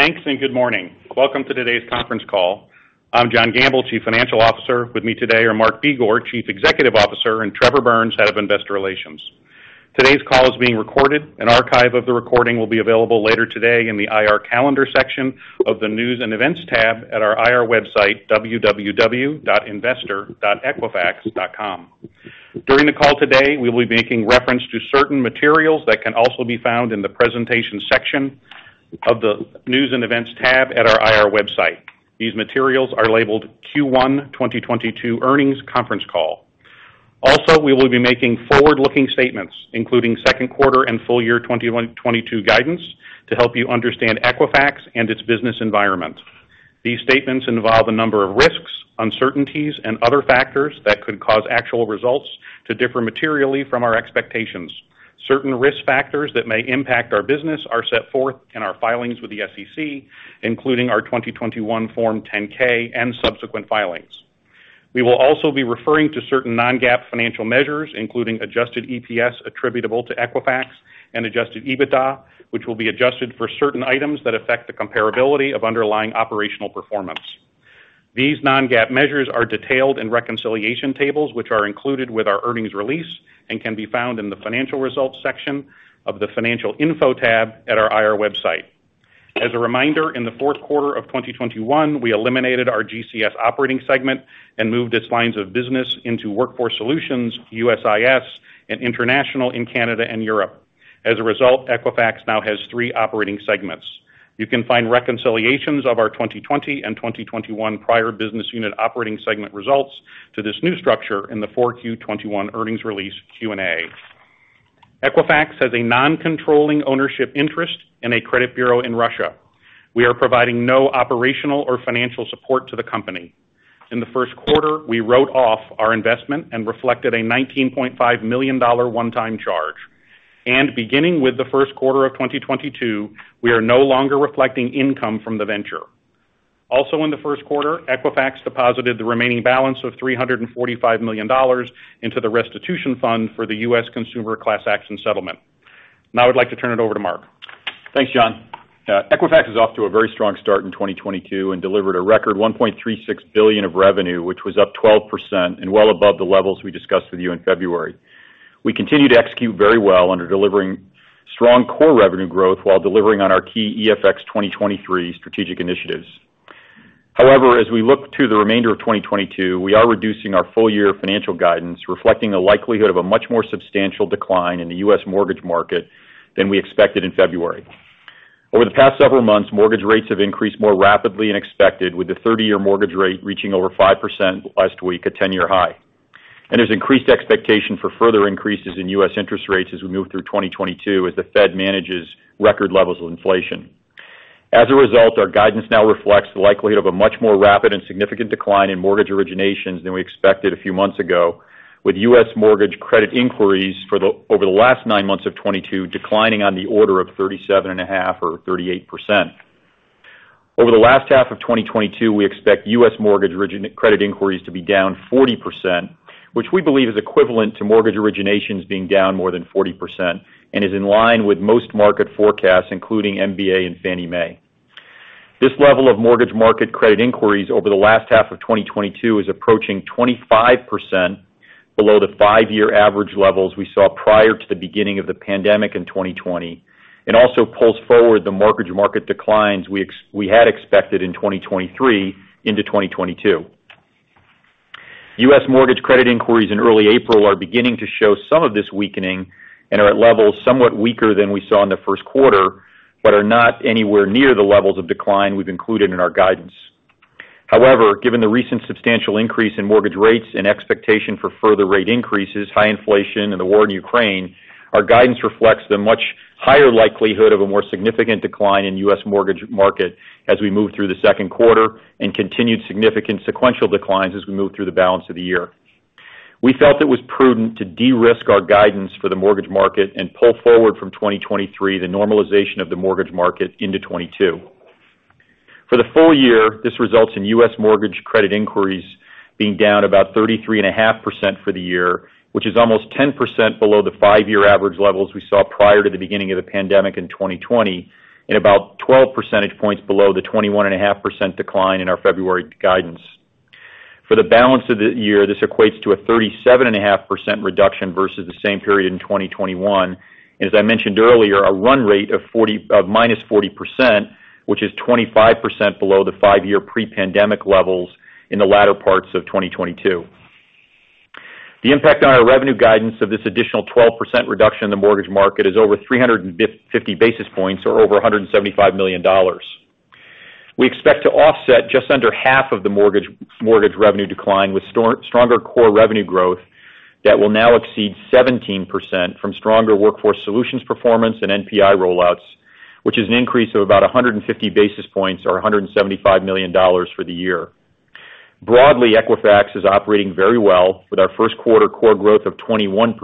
Thanks, and good morning. Welcome to today's conference call. I'm John Gamble, Chief Financial Officer. With me today are Mark Begor, Chief Executive Officer, and Trevor Burns, Head of Investor Relations. Today's call is being recorded. An archive of the recording will be available later today in the IR calendar section of the News and Events tab at our IR website, www.investor.equifax.com. During the call today, we will be making reference to certain materials that can also be found in the Presentation section of the News and Events tab at our IR website. These materials are labeled Q1 2022 Earnings Conference Call. We will be making forward-looking statements, including second quarter and full year 2022 guidance to help you understand Equifax and its business environment. These statements involve a number of risks, uncertainties, and other factors that could cause actual results to differ materially from our expectations. Certain risk factors that may impact our business are set forth in our filings with the SEC, including our 2021 Form 10-K and subsequent filings. We will also be referring to certain non-GAAP financial measures, including adjusted EPS attributable to Equifax and adjusted EBITDA, which will be adjusted for certain items that affect the comparability of underlying operational performance. These non-GAAP measures are detailed in reconciliation tables, which are included with our earnings release and can be found in the Financial Results section of the Financial Info tab at our IR website. As a reminder, in the fourth quarter of 2021, we eliminated our GCS operating segment and moved its lines of business into Workforce Solutions, USIS, and International in Canada and Europe. As a result, Equifax now has three operating segments. You can find reconciliations of our 2020 and 2021 prior business unit operating segment results to this new structure in the 4Q 2021 earnings release Q&A. Equifax has a non-controlling ownership interest in a credit bureau in Russia. We are providing no operational or financial support to the company. In the first quarter, we wrote off our investment and reflected a $19.5 million one-time charge. Beginning with the first quarter of 2022, we are no longer reflecting income from the venture. Also in the first quarter, Equifax deposited the remaining balance of $345 million into the restitution fund for the U.S. Consumer Class Action settlement. Now I'd like to turn it over to Mark. Thanks, John. Equifax is off to a very strong start in 2022 and delivered a record $1.36 billion of revenue, which was up 12% and well above the levels we discussed with you in February. We continue to execute very well while delivering strong core revenue growth while delivering on our key EFX 2023 strategic initiatives. However, as we look to the remainder of 2022, we are reducing our full year financial guidance, reflecting the likelihood of a much more substantial decline in the U.S. mortgage market than we expected in February. Over the past several months, mortgage rates have increased more rapidly than expected, with the 30-year mortgage rate reaching over 5% last week, a 10-year high. There's increased expectation for further increases in U.S. interest rates as we move through 2022 as the Fed manages record levels of inflation. As a result, our guidance now reflects the likelihood of a much more rapid and significant decline in mortgage originations than we expected a few months ago, with U.S. mortgage credit inquiries over the last nine months of 2022 declining on the order of 37.5 or 38%. Over the last half of 2022, we expect U.S. mortgage credit inquiries to be down 40%, which we believe is equivalent to mortgage originations being down more than 40% and is in line with most market forecasts, including MBA and Fannie Mae. This level of mortgage market credit inquiries over the last half of 2022 is approaching 25% below the five-year average levels we saw prior to the beginning of the pandemic in 2020, and also pulls forward the mortgage market declines we had expected in 2023 into 2022. U.S. mortgage credit inquiries in early April are beginning to show some of this weakening and are at levels somewhat weaker than we saw in the first quarter, but are not anywhere near the levels of decline we've included in our guidance. However, given the recent substantial increase in mortgage rates and expectation for further rate increases, high inflation, and the war in Ukraine, our guidance reflects the much higher likelihood of a more significant decline in U.S. mortgage market as we move through the second quarter and continued significant sequential declines as we move through the balance of the year. We felt it was prudent to de-risk our guidance for the mortgage market and pull forward from 2023 the normalization of the mortgage market into 2022. For the full year, this results in U.S. mortgage credit inquiries being down about 33.5% for the year, which is almost 10% below the 5-year average levels we saw prior to the beginning of the pandemic in 2020, and about 12 percentage points below the 21.5% decline in our February guidance. For the balance of the year, this equates to a 37.5% reduction versus the same period in 2021. As I mentioned earlier, our run rate of minus 40%, which is 25% below the 5-year pre-pandemic levels in the latter parts of 2022. The impact on our revenue guidance of this additional 12% reduction in the mortgage market is over 350 basis points or over $175 million. We expect to offset just under half of the mortgage revenue decline with stronger core revenue growth that will now exceed 17% from stronger Workforce Solutions performance and NPI rollouts, which is an increase of about 150 basis points or $175 million for the year. Broadly, Equifax is operating very well with our first quarter core growth of 21%.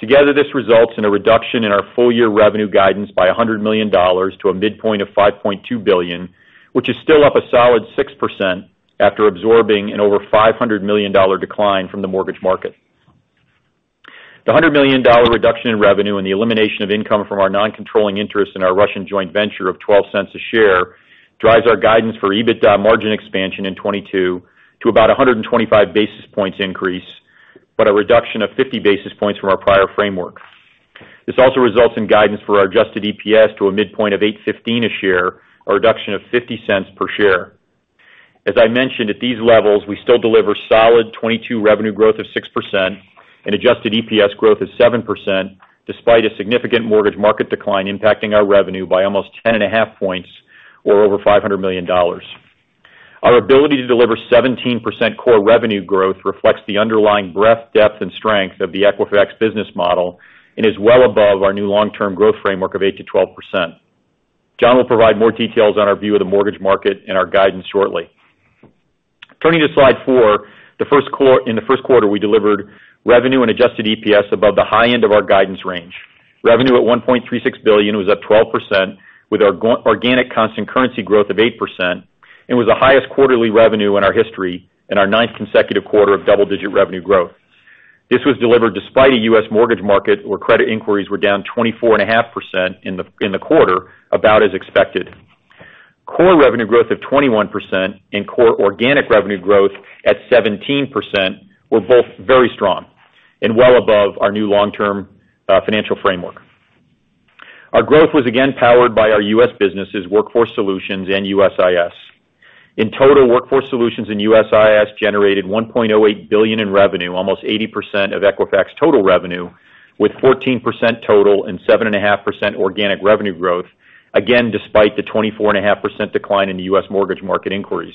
Together, this results in a reduction in our full year revenue guidance by $100 million to a midpoint of $5.2 billion, which is still up a solid 6% after absorbing an over $500 million decline from the mortgage market. The $100 million reduction in revenue and the elimination of income from our non-controlling interest in our Russian joint venture of $0.12 a share drives our guidance for EBITDA margin expansion in 2022 to about 125 basis points increase, but a reduction of 50 basis points from our prior framework. This also results in guidance for our adjusted EPS to a midpoint of $8.15 a share, a reduction of $0.50 per share. As I mentioned, at these levels, we still deliver solid 2022 revenue growth of 6% and adjusted EPS growth of 7%, despite a significant mortgage market decline impacting our revenue by almost 10.5 points or over $500 million. Our ability to deliver 17% core revenue growth reflects the underlying breadth, depth, and strength of the Equifax business model and is well above our new long-term growth framework of 8%-12%. John will provide more details on our view of the mortgage market and our guidance shortly. Turning to slide 4, in the first quarter, we delivered revenue and adjusted EPS above the high end of our guidance range. Revenue at $1.36 billion was up 12% with our core organic constant currency growth of 8% and was the highest quarterly revenue in our history and our ninth consecutive quarter of double-digit revenue growth. This was delivered despite a U.S. mortgage market where credit inquiries were down 24.5% in the quarter, about as expected. Core revenue growth of 21% and core organic revenue growth at 17% were both very strong and well above our new long-term financial framework. Our growth was again powered by our U.S. businesses, Workforce Solutions and USIS. In total, Workforce Solutions and USIS generated $1.8 billion in revenue, almost 80% of Equifax total revenue, with 14% total and 7.5% organic revenue growth. Again, despite the 24.5% decline in the U.S. mortgage market inquiries.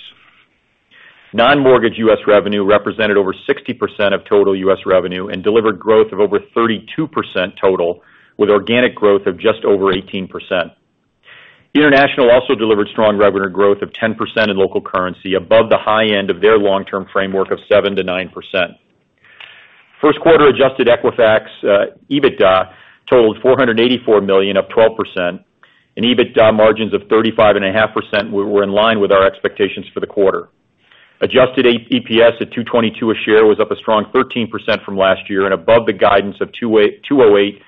Non-mortgage U.S. revenue represented over 60% of total U.S. revenue and delivered growth of over 32% total with organic growth of just over 18%. International also delivered strong revenue growth of 10% in local currency above the high end of their long-term framework of 7%-9%. First quarter adjusted Equifax EBITDA totaled $484 million, up 12%, and EBITDA margins of 35.5% were in line with our expectations for the quarter. Adjusted EPS at $2.22 a share was up a strong 13% from last year and above the guidance of $2.08-$2.18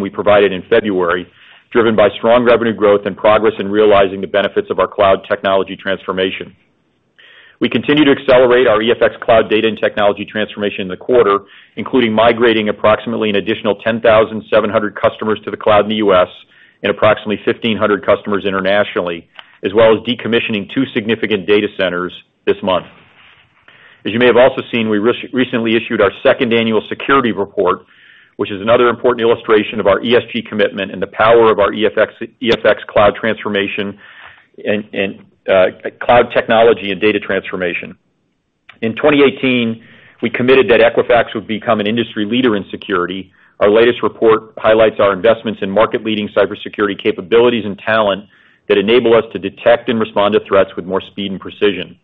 we provided in February, driven by strong revenue growth and progress in realizing the benefits of our cloud technology transformation. We continue to accelerate our EFX cloud data and technology transformation in the quarter, including migrating approximately an additional 10,700 customers to the cloud in the U.S. and approximately 1,500 customers internationally, as well as decommissioning two significant data centers this month. As you may have also seen, we recently issued our second annual security report, which is another important illustration of our ESG commitment and the power of our EFX cloud transformation and cloud technology and data transformation. In 2018, we committed that Equifax would become an industry leader in security. Our latest report highlights our investments in market-leading cybersecurity capabilities and talent that enable us to detect and respond to threats with more speed and precision.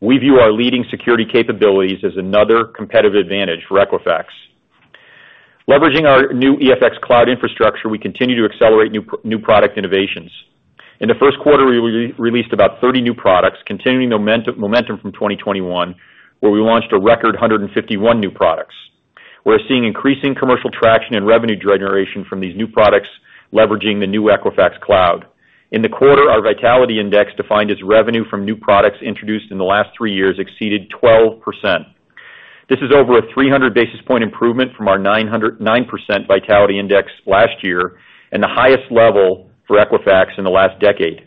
We view our leading security capabilities as another competitive advantage for Equifax. Leveraging our new EFX cloud infrastructure, we continue to accelerate new product innovations. In the first quarter, we released about 30 new products, continuing momentum from 2021, where we launched a record 151 new products. We're seeing increasing commercial traction and revenue generation from these new products leveraging the new Equifax cloud. In the quarter, our Vitality Index, defined as revenue from new products introduced in the last three years, exceeded 12%. This is over a 300 basis point improvement from our 9% Vitality Index last year and the highest level for Equifax in the last decade.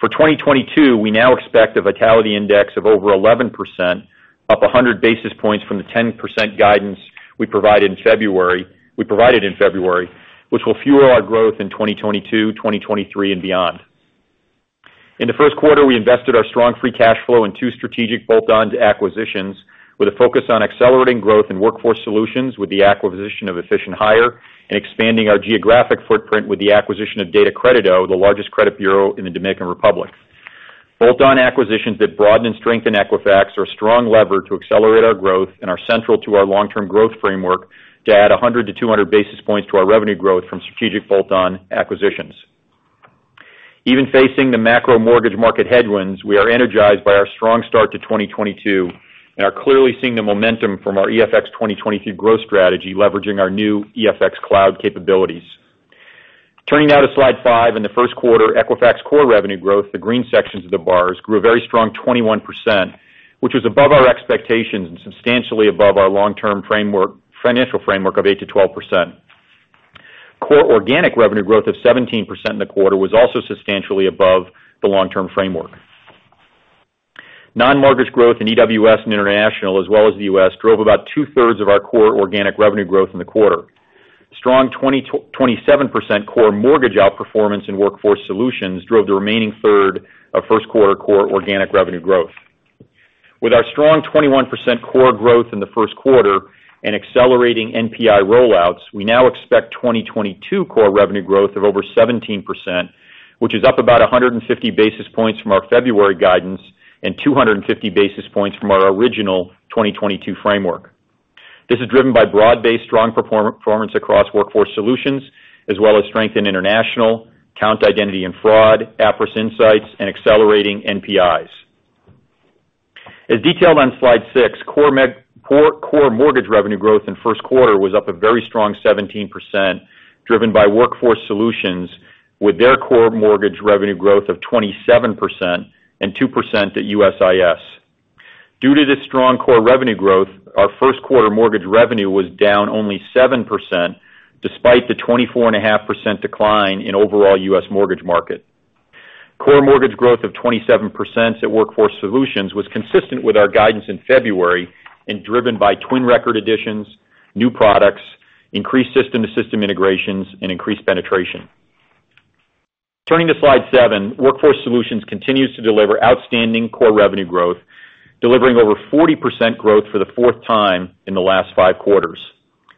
For 2022, we now expect a Vitality Index of over 11%, up 100 basis points from the 10% guidance we provided in February, which will fuel our growth in 2022, 2023 and beyond. In the first quarter, we invested our strong free cash flow in two strategic bolt-on acquisitions with a focus on accelerating growth in Workforce Solutions with the acquisition of Efficient Hire and expanding our geographic footprint with the acquisition of DataCrédito, the largest credit bureau in the Dominican Republic. Bolt-on acquisitions that broaden and strengthen Equifax are a strong lever to accelerate our growth and are central to our long-term growth framework to add 100 to 200 basis points to our revenue growth from strategic bolt-on acquisitions. Even facing the macro mortgage market headwinds, we are energized by our strong start to 2022 and are clearly seeing the momentum from our EFX 2022 growth strategy leveraging our new EFX cloud capabilities. Turning now to slide five. In the first quarter, Equifax core revenue growth, the green sections of the bars, grew a very strong 21%, which was above our expectations and substantially above our long-term financial framework of 8%-12%. Core organic revenue growth of 17% in the quarter was also substantially above the long-term framework. Non-mortgage growth in EWS and International, as well as the U.S., drove about two-thirds of our core organic revenue growth in the quarter. Strong 27% core mortgage outperformance in Workforce Solutions drove the remaining third of first quarter core organic revenue growth. With our strong 21% core growth in the first quarter and accelerating NPI rollouts, we now expect 2022 core revenue growth of over 17%, which is up about 150 basis points from our February guidance and 250 basis points from our original 2022 framework. This is driven by broad-based strong performance across Workforce Solutions as well as strength in International, Kount Identity and Fraud, Appriss Insights, and accelerating NPIs. As detailed on slide six, core mortgage revenue growth in first quarter was up a very strong 17%, driven by Workforce Solutions with their core mortgage revenue growth of 27% and 2% at USIS. Due to this strong core revenue growth, our first quarter mortgage revenue was down only 7% despite the 24.5% decline in overall U.S. mortgage market. Core mortgage growth of 27% at Workforce Solutions was consistent with our guidance in February and driven by twin record additions, new products, increased system-to-system integrations, and increased penetration. Turning to Slide seven, Workforce Solutions continues to deliver outstanding core revenue growth, delivering over 40% growth for the fourth time in the last five quarters.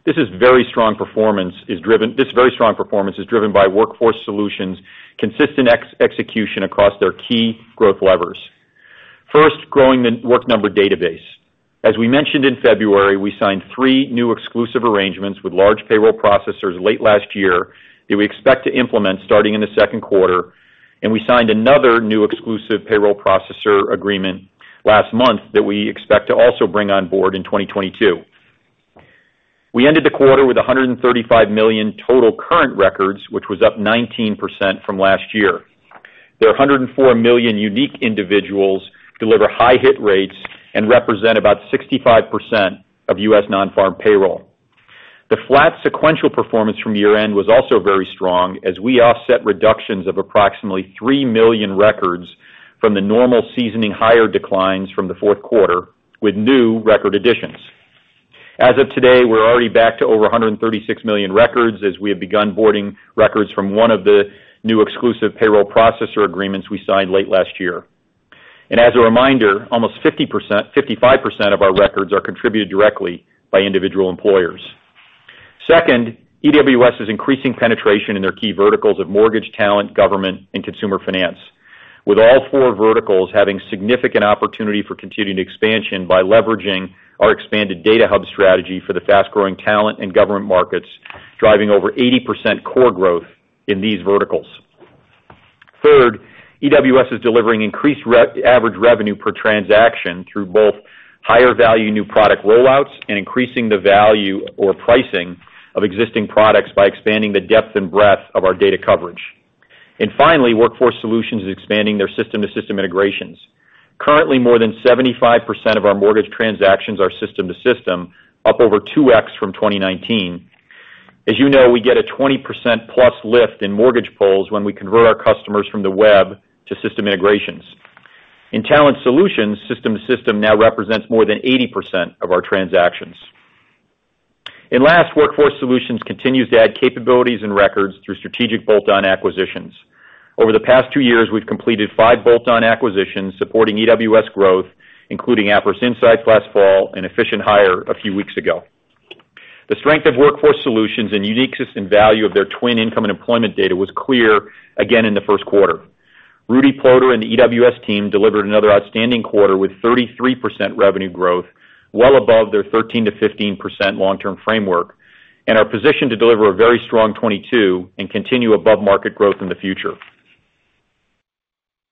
This very strong performance is driven by Workforce Solutions' consistent ex-execution across their key growth levers. First, growing The Work Number database. As we mentioned in February, we signed three new exclusive arrangements with large payroll processors late last year that we expect to implement starting in the second quarter, and we signed another new exclusive payroll processor agreement last month that we expect to also bring on board in 2022. We ended the quarter with 135 million total current records, which was up 19% from last year. There are 104 million unique individuals that deliver high hit rates and represent about 65% of U.S. non-farm payroll. The flat sequential performance from year-end was also very strong as we offset reductions of approximately 3 million records from the normal seasonal hire declines from the fourth quarter with new record additions. As of today, we're already back to over 136 million records as we have begun onboarding records from one of the new exclusive payroll processor agreements we signed late last year. As a reminder, almost 55% of our records are contributed directly by individual employers. Second, EWS is increasing penetration in their key verticals of mortgage talent, government, and consumer finance, with all four verticals having significant opportunity for continued expansion by leveraging our expanded data hub strategy for the fast-growing talent and government markets, driving over 80% core growth in these verticals. Third, EWS is delivering increased average revenue per transaction through both higher value new product rollouts and increasing the value or pricing of existing products by expanding the depth and breadth of our data coverage. Finally, Workforce Solutions is expanding their system-to-system integrations. Currently, more than 75% of our mortgage transactions are system-to-system, up over 2x from 2019. As you know, we get a 20%+ lift in mortgage pulls when we convert our customers from the web to system integrations. In Talent Solutions, system to system now represents more than 80% of our transactions. Last, Workforce Solutions continues to add capabilities and records through strategic bolt-on acquisitions. Over the past two years, we've completed 5 bolt-on acquisitions supporting EWS growth, including Appriss Insights last fall and Efficient Hire a few weeks ago. The strength of Workforce Solutions and unique system value of their TWN income and employment data was clear again in the first quarter. Rudy Ploder and the EWS team delivered another outstanding quarter with 33% revenue growth, well above their 13%-15% long-term framework, and are positioned to deliver a very strong 2022 and continue above-market growth in the future.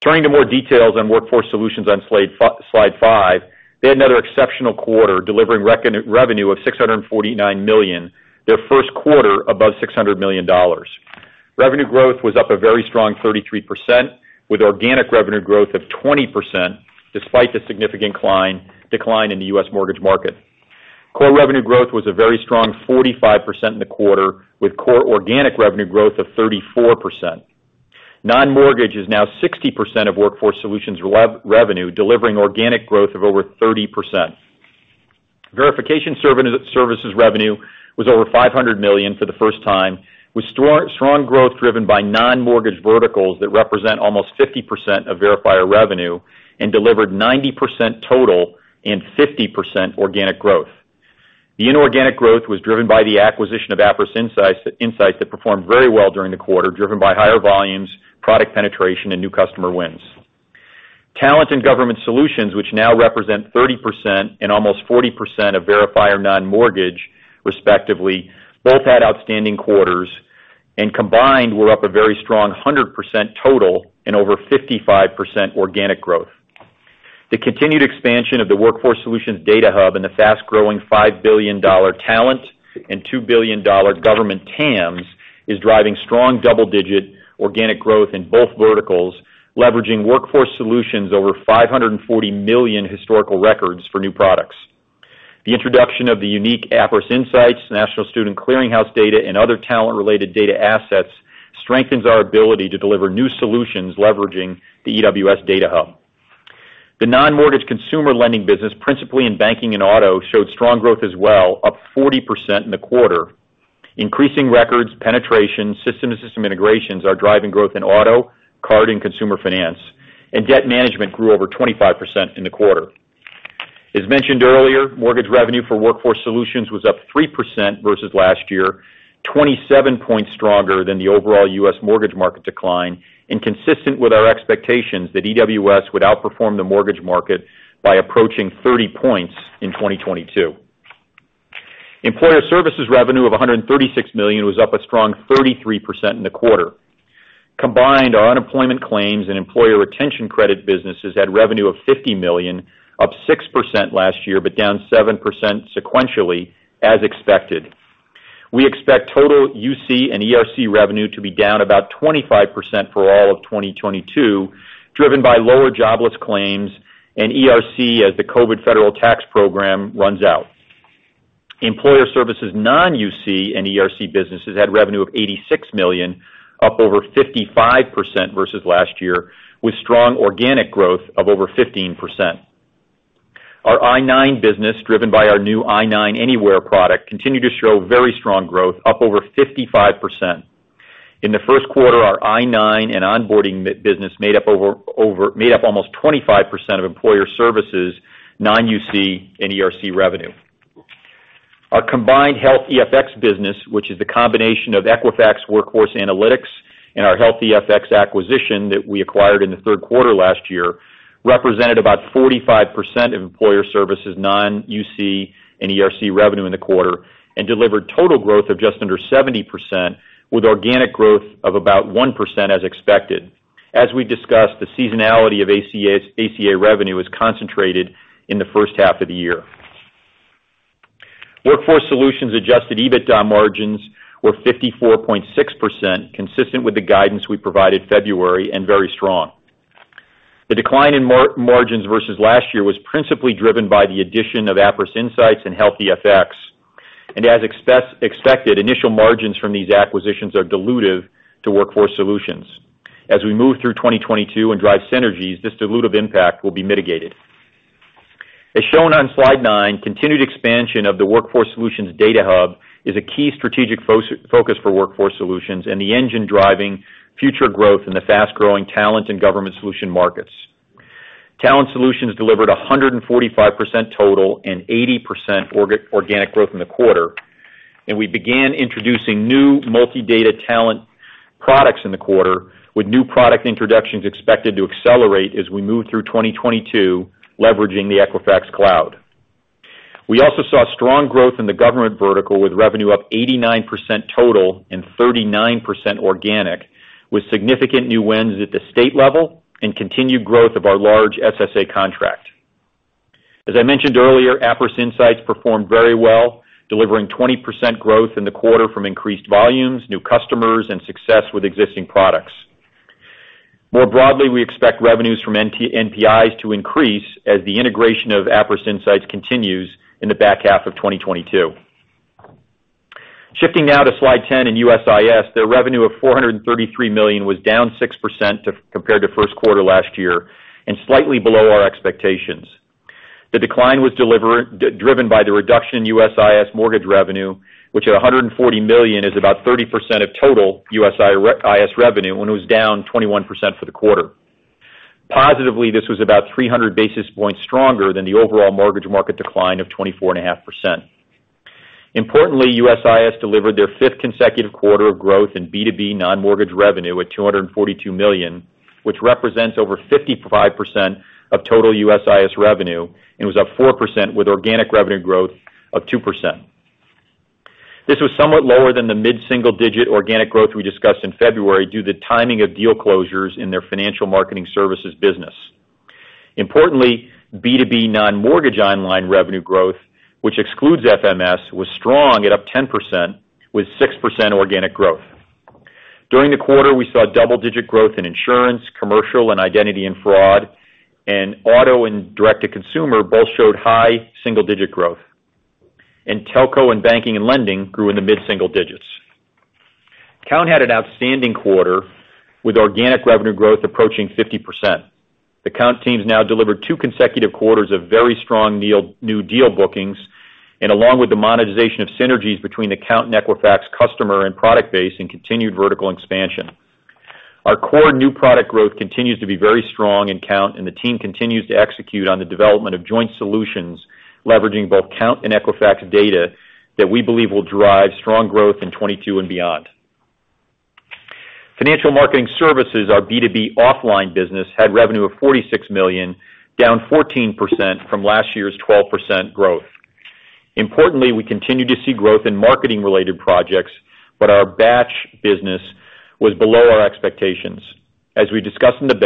Turning to more details on Workforce Solutions on slide five, they had another exceptional quarter, delivering revenue of $649 million, their first quarter above $600 million. Revenue growth was up a very strong 33%, with organic revenue growth of 20%, despite the significant decline in the U.S. mortgage market. Core revenue growth was a very strong 45% in the quarter, with core organic revenue growth of 34%. Non-mortgage is now 60% of Workforce Solutions revenue, delivering organic growth of over 30%. Verification services revenue was over $500 million for the first time, with strong growth driven by non-mortgage verticals that represent almost 50% of Verifier revenue and delivered 90% total and 50% organic growth. The inorganic growth was driven by the acquisition of Appriss Insights that performed very well during the quarter, driven by higher volumes, product penetration and new customer wins. Talent and Government Solutions, which now represent 30% and almost 40% of Verifier non-mortgage respectively, both had outstanding quarters and combined were up a very strong 100% total and over 55% organic growth. The continued expansion of the Workforce Solutions data hub and the fast-growing $5 billion talent and $2 billion government TAMs is driving strong double-digit organic growth in both verticals, leveraging Workforce Solutions' over 540 million historical records for new products. The introduction of the unique Appriss Insights, National Student Clearinghouse data, and other talent-related data assets strengthens our ability to deliver new solutions leveraging the EWS data hub. The non-mortgage consumer lending business, principally in banking and auto, showed strong growth as well, up 40% in the quarter. Increasing records, penetration, system-to-system integrations are driving growth in auto, card, and consumer finance. Debt management grew over 25% in the quarter. As mentioned earlier, mortgage revenue for Workforce Solutions was up 3% versus last year, 27 points stronger than the overall U.S. mortgage market decline, and consistent with our expectations that EWS would outperform the mortgage market by approaching 30 points in 2022. Employer services revenue of $136 million was up a strong 33% in the quarter. Combined, our unemployment claims and employer retention credit businesses had revenue of $50 million, up 6% last year, but down 7% sequentially as expected. We expect total UC and ERC revenue to be down about 25% for all of 2022, driven by lower jobless claims and ERC as the COVID federal tax program runs out. Employer services non-UC and ERC businesses had revenue of $86 million, up over 55% versus last year, with strong organic growth of over 15%. Our I-9 business, driven by our new I-9 Anywhere product, continued to show very strong growth, up over 55%. In the first quarter, our I-9 and onboarding business made up almost 25% of employer services, non-UC and ERC revenue. Our combined Health e(fx) business, which is the combination of Equifax Workforce Analytics and our Health e(fx) acquisition that we acquired in the third quarter last year, represented about 45% of employer services, non-UC and ERC revenue in the quarter and delivered total growth of just under 70%, with organic growth of about 1% as expected. As we discussed, the seasonality of ACA revenue is concentrated in the first half of the year. Workforce Solutions adjusted EBITDA margins were 54.6%, consistent with the guidance we provided in February and very strong. The decline in margins versus last year was principally driven by the addition of Appriss Insights and Health e(fx). As expected, initial margins from these acquisitions are dilutive to Workforce Solutions. As we move through 2022 and drive synergies, this dilutive impact will be mitigated. As shown on slide nine, continued expansion of the Workforce Solutions data hub is a key strategic focus for Workforce Solutions and the engine driving future growth in the fast-growing talent and government solution markets. Talent Solutions delivered 145% total and 80% organic growth in the quarter, and we began introducing new multi-data talent products in the quarter with new product introductions expected to accelerate as we move through 2022, leveraging the Equifax Cloud. We also saw strong growth in the government vertical, with revenue up 89% total and 39% organic, with significant new wins at the state level and continued growth of our large SSA contract. As I mentioned earlier, Appriss Insights performed very well, delivering 20% growth in the quarter from increased volumes, new customers, and success with existing products. More broadly, we expect revenues from NPIs to increase as the integration of Appriss Insights continues in the back half of 2022. Shifting now to slide 10 in USIS, their revenue of $433 million was down 6% compared to first quarter last year and slightly below our expectations. The decline was driven by the reduction in USIS mortgage revenue, which at $140 million is about 30% of total USIS revenue and was down 21% for the quarter. Positively, this was about 300 basis points stronger than the overall mortgage market decline of 24.5%. Importantly, USIS delivered their fifth consecutive quarter of growth in B2B non-mortgage revenue at $242 million, which represents over 55% of total USIS revenue and was up 4% with organic revenue growth of 2%. This was somewhat lower than the mid-single-digit organic growth we discussed in February due to the timing of deal closures in their financial marketing services business. Importantly, B2B non-mortgage online revenue growth, which excludes FMS, was strong at up 10% with 6% organic growth. During the quarter, we saw double-digit growth in insurance, commercial, and identity and fraud. Auto and direct-to-consumer both showed high single-digit growth. Telco and banking and lending grew in the mid-single digits. Kount had an outstanding quarter with organic revenue growth approaching 50%. The Kount teams now delivered two consecutive quarters of very strong new deal bookings along with the monetization of synergies between the Kount and Equifax customer and product base in continued vertical expansion. Our core new product growth continues to be very strong in Kount, and the team continues to execute on the development of joint solutions leveraging both Kount and Equifax data that we believe will drive strong growth in 2022 and beyond. Financial Marketing Services, our B2B offline business, had revenue of $46 million, down 14% from last year's 12% growth. Importantly, we continue to see growth in marketing-related projects, but our batch business was below our expectations. As we discussed in the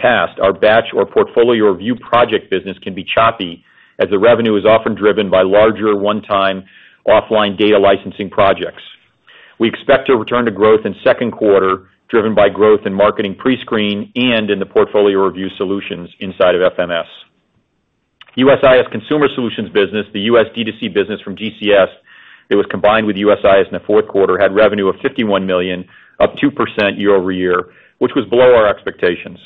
past, our batch or portfolio review project business can be choppy as the revenue is often driven by larger one-time offline data licensing projects. We expect to return to growth in second quarter, driven by growth in marketing pre-screen and in the portfolio review solutions inside of FMS. USIS Consumer Solutions business, the U.S. D2C business from GCS that was combined with USIS in the fourth quarter, had revenue of $51 million, up 2% year-over-year, which was below our expectations.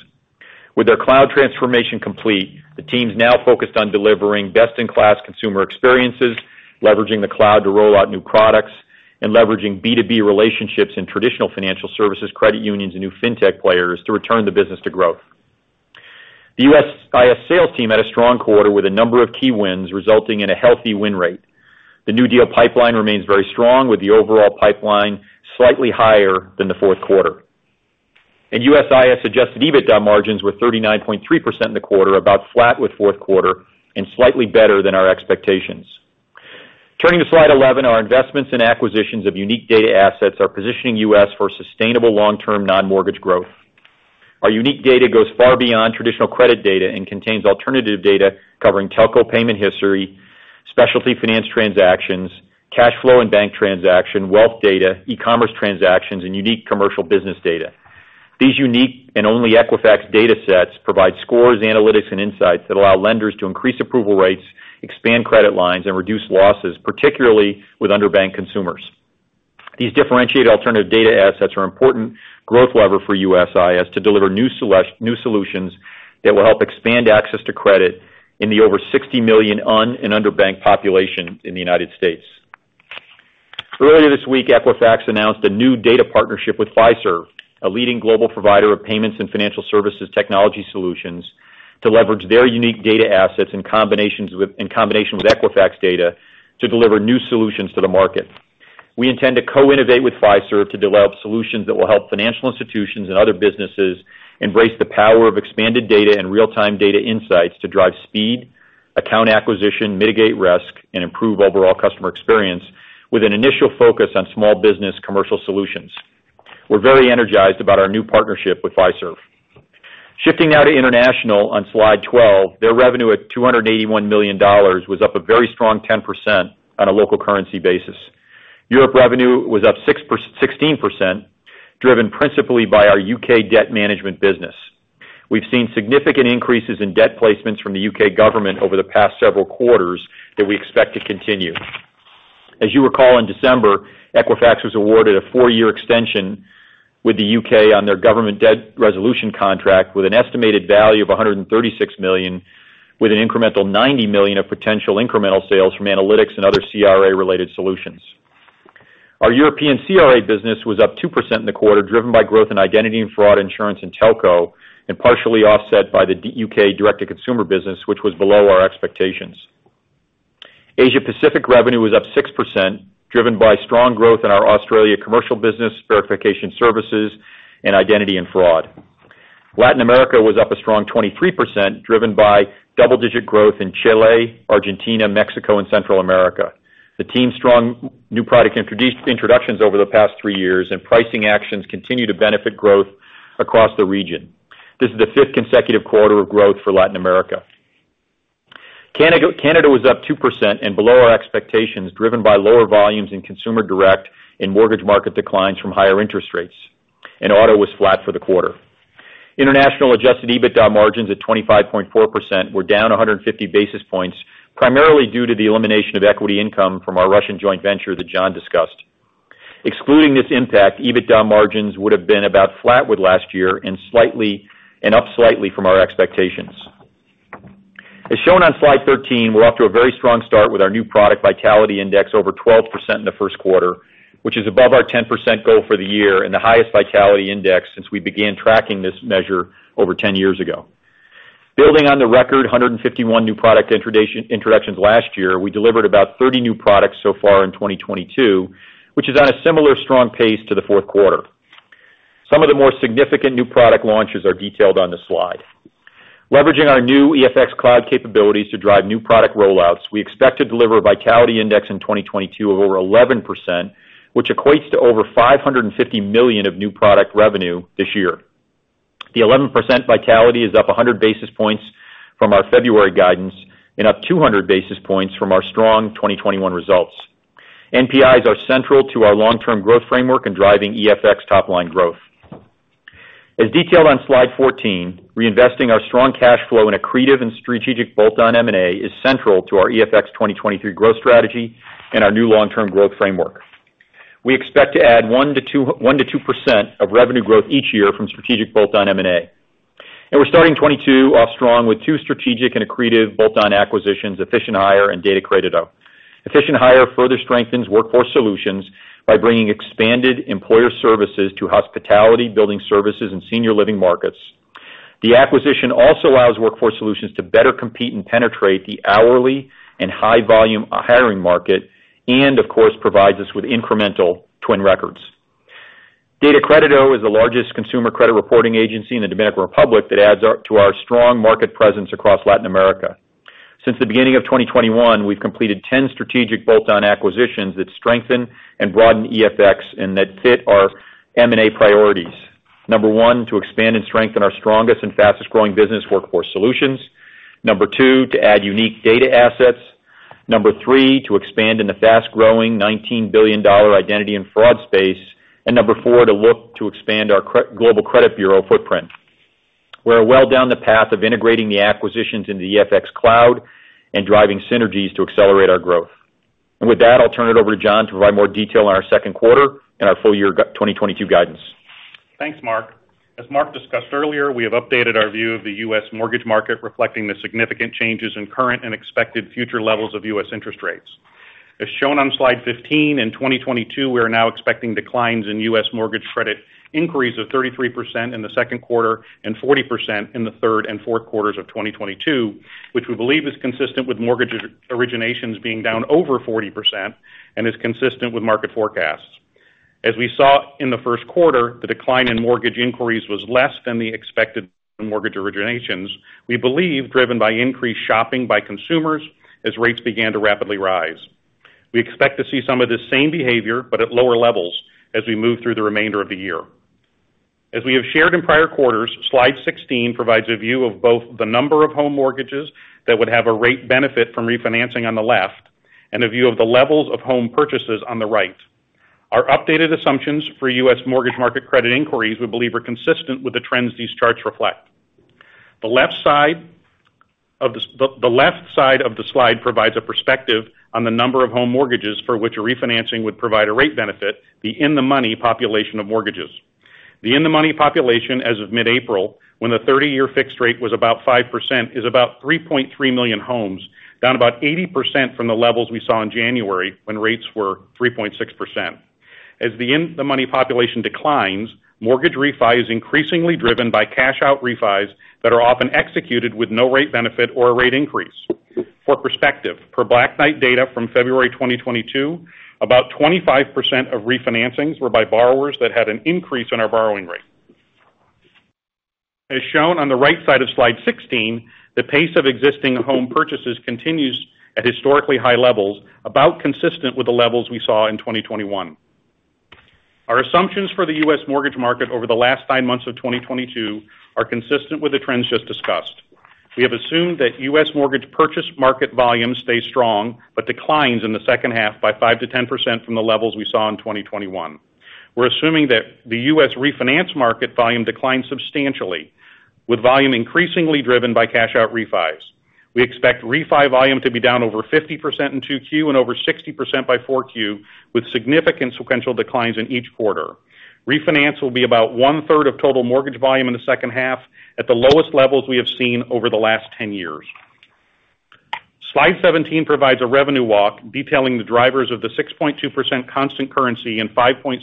With their cloud transformation complete, the team's now focused on delivering best-in-class consumer experiences, leveraging the cloud to roll out new products, and leveraging B2B relationships in traditional financial services, credit unions, and new fintech players to return the business to growth. The USIS sales team had a strong quarter with a number of key wins, resulting in a healthy win rate. The new deal pipeline remains very strong with the overall pipeline slightly higher than the fourth quarter. USIS adjusted EBITDA margins were 39.3% in the quarter, about flat with fourth quarter and slightly better than our expectations. Turning to slide 11, our investments and acquisitions of unique data assets are positioning us for sustainable long-term non-mortgage growth. Our unique data goes far beyond traditional credit data and contains alternative data covering telco payment history, specialty finance transactions, cash flow and bank transaction, wealth data, e-commerce transactions, and unique commercial business data. These unique and only Equifax data sets provide scores, analytics, and insights that allow lenders to increase approval rates, expand credit lines, and reduce losses, particularly with underbanked consumers. These differentiated alternative data assets are important growth lever for USIS to deliver new solutions that will help expand access to credit in the over 60 million unbanked and underbanked population in the United States. Earlier this week, Equifax announced a new data partnership with Fiserv, a leading global provider of payments and financial services technology solutions, to leverage their unique data assets in combination with Equifax data to deliver new solutions to the market. We intend to co-innovate with Fiserv to develop solutions that will help financial institutions and other businesses embrace the power of expanded data and real-time data insights to drive speed, account acquisition, mitigate risk, and improve overall customer experience with an initial focus on small business commercial solutions. We're very energized about our new partnership with Fiserv. Shifting now to international on slide 12. Their revenue at $281 million was up a very strong 10% on a local currency basis. Europe revenue was up 16%, driven principally by our U.K. debt management business. We've seen significant increases in debt placements from the U.K. government over the past several quarters that we expect to continue. As you recall, in December, Equifax was awarded a four-year extension with the U.K. on their government debt resolution contract with an estimated value of $136 million, with an incremental $90 million of potential incremental sales from analytics and other CRA-related solutions. Our European CRA business was up 2% in the quarter, driven by growth in identity and fraud insurance in telco, and partially offset by the U.K. direct-to-consumer business, which was below our expectations. Asia Pacific revenue was up 6%, driven by strong growth in our Australia commercial business, verification services, and identity and fraud. Latin America was up a strong 23%, driven by double-digit growth in Chile, Argentina, Mexico, and Central America. The team's strong new product introductions over the past three years and pricing actions continue to benefit growth across the region. This is the fifth consecutive quarter of growth for Latin America. Canada was up 2% and below our expectations, driven by lower volumes in consumer direct and mortgage market declines from higher interest rates. Auto was flat for the quarter. International adjusted EBITDA margins at 25.4% were down 150 basis points, primarily due to the elimination of equity income from our Russian joint venture that John discussed. Excluding this impact, EBITDA margins would have been about flat with last year and slightly up from our expectations. As shown on slide 13, we're off to a very strong start with our new product Vitality Index over 12% in the first quarter, which is above our 10% goal for the year and the highest Vitality Index since we began tracking this measure over 10 years ago. Building on the record 151 new product introductions last year, we delivered about 30 new products so far in 2022, which is on a similar strong pace to the fourth quarter. Some of the more significant new product launches are detailed on the slide. Leveraging our new Equifax Cloud capabilities to drive new product rollouts, we expect to deliver a Vitality Index in 2022 of over 11%, which equates to over $550 million of new product revenue this year. The 11% Vitality Index is up 100 basis points from our February guidance and up 200 basis points from our strong 2021 results. NPIs are central to our long-term growth framework in driving Equifax top line growth. As detailed on slide 14, reinvesting our strong cash flow in accretive and strategic bolt-on M&A is central to our Equifax 2023 growth strategy and our new long-term growth framework. We expect to add one to two, one to 2% of revenue growth each year from strategic bolt-on M&A. We're starting 2022 off strong with two strategic and accretive bolt-on acquisitions, Efficient Hire and Data-Crédito. Efficient Hire further strengthens Workforce Solutions by bringing expanded employer services to hospitality, building services, and senior living markets. The acquisition also allows Workforce Solutions to better compete and penetrate the hourly and high volume hiring market, and of course, provides us with incremental TWN records. Data-Crédito is the largest consumer credit reporting agency in the Dominican Republic that adds to our strong market presence across Latin America. Since the beginning of 2021, we've completed 10 strategic bolt-on acquisitions that strengthen and broaden EFX and that fit our M&A priorities. Number one, to expand and strengthen our strongest and fastest-growing business Workforce Solutions. Number two, to add unique data assets. Number three, to expand in the fast-growing $19 billion identity and fraud space. Number four, to look to expand our global credit bureau footprint. We're well down the path of integrating the acquisitions in the EFX Cloud and driving synergies to accelerate our growth. With that, I'll turn it over to John to provide more detail on our second quarter and our full year 2022 guidance. Thanks, Mark. As Mark discussed earlier, we have updated our view of the U.S. mortgage market, reflecting the significant changes in current and expected future levels of U.S. interest rates. As shown on slide 15, in 2022, we are now expecting declines in U.S. mortgage credit inquiries of 33% in the second quarter and 40% in the third and fourth quarters of 2022, which we believe is consistent with mortgage originations being down over 40% and is consistent with market forecasts. As we saw in the first quarter, the decline in mortgage inquiries was less than the expected mortgage originations, we believe, driven by increased shopping by consumers as rates began to rapidly rise. We expect to see some of this same behavior, but at lower levels as we move through the remainder of the year. As we have shared in prior quarters, slide 16 provides a view of both the number of home mortgages that would have a rate benefit from refinancing on the left, and a view of the levels of home purchases on the right. Our updated assumptions for U.S. mortgage market credit inquiries, we believe, are consistent with the trends these charts reflect. The left side of the slide provides a perspective on the number of home mortgages for which a refinancing would provide a rate benefit, the in the money population of mortgages. The in the money population as of mid-April, when the 30-year fixed rate was about 5%, is about 3.3 million homes, down about 80% from the levels we saw in January when rates were 3.6%. As the in-the-money population declines, mortgage refi is increasingly driven by cash-out refis that are often executed with no rate benefit or a rate increase. For perspective, per Black Knight data from February 2022, about 25% of refinancings were by borrowers that had an increase in our borrowing rate. As shown on the right side of slide 16, the pace of existing home purchases continues at historically high levels, about consistent with the levels we saw in 2021. Our assumptions for the U.S. mortgage market over the last nine months of 2022 are consistent with the trends just discussed. We have assumed that U.S. mortgage purchase market volume stays strong, but declines in the second half by 5%-10% from the levels we saw in 2021. We're assuming that the U.S. refinance market volume declined substantially, with volume increasingly driven by cash out refis. We expect refi volume to be down over 50% in 2Q and over 60% by 4Q, with significant sequential declines in each quarter. Refinance will be about one-third of total mortgage volume in the second half at the lowest levels we have seen over the last 10 years. Slide 17 provides a revenue walk detailing the drivers of the 6.2% constant currency and 5.6%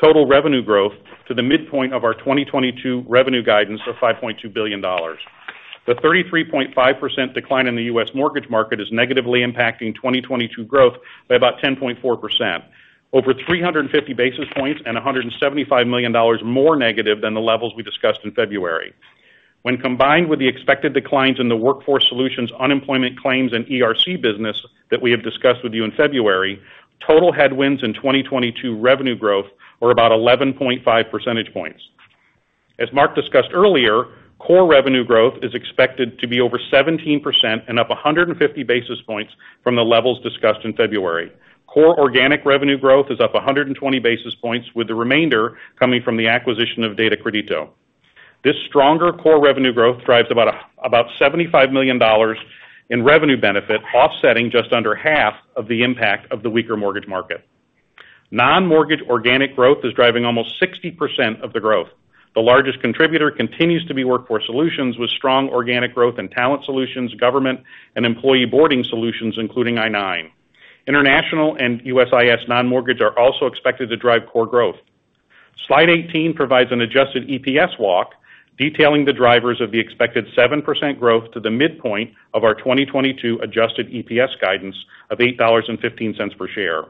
total revenue growth to the midpoint of our 2022 revenue guidance of $5.2 billion. The 33.5% decline in the U.S. mortgage market is negatively impacting 2022 growth by about 10.4%, over 350 basis points and $175 million more negative than the levels we discussed in February. When combined with the expected declines in the Workforce Solutions unemployment claims and ERC business that we have discussed with you in February, total headwinds in 2022 revenue growth were about 11.5 percentage points. As Mark discussed earlier, core revenue growth is expected to be over 17% and up 150 basis points from the levels discussed in February. Core organic revenue growth is up 120 basis points, with the remainder coming from the acquisition of Data-Crédito. This stronger core revenue growth drives about $75 million in revenue benefit, offsetting just under half of the impact of the weaker mortgage market. Non-mortgage organic growth is driving almost 60% of the growth. The largest contributor continues to be Workforce Solutions with strong organic growth in Talent Solutions, Government Solutions, and employee onboarding solutions, including I-9. International and USIS non-mortgage are also expected to drive core growth. Slide 18 provides an adjusted EPS walk, detailing the drivers of the expected 7% growth to the midpoint of our 2022 adjusted EPS guidance of $8.15 per share.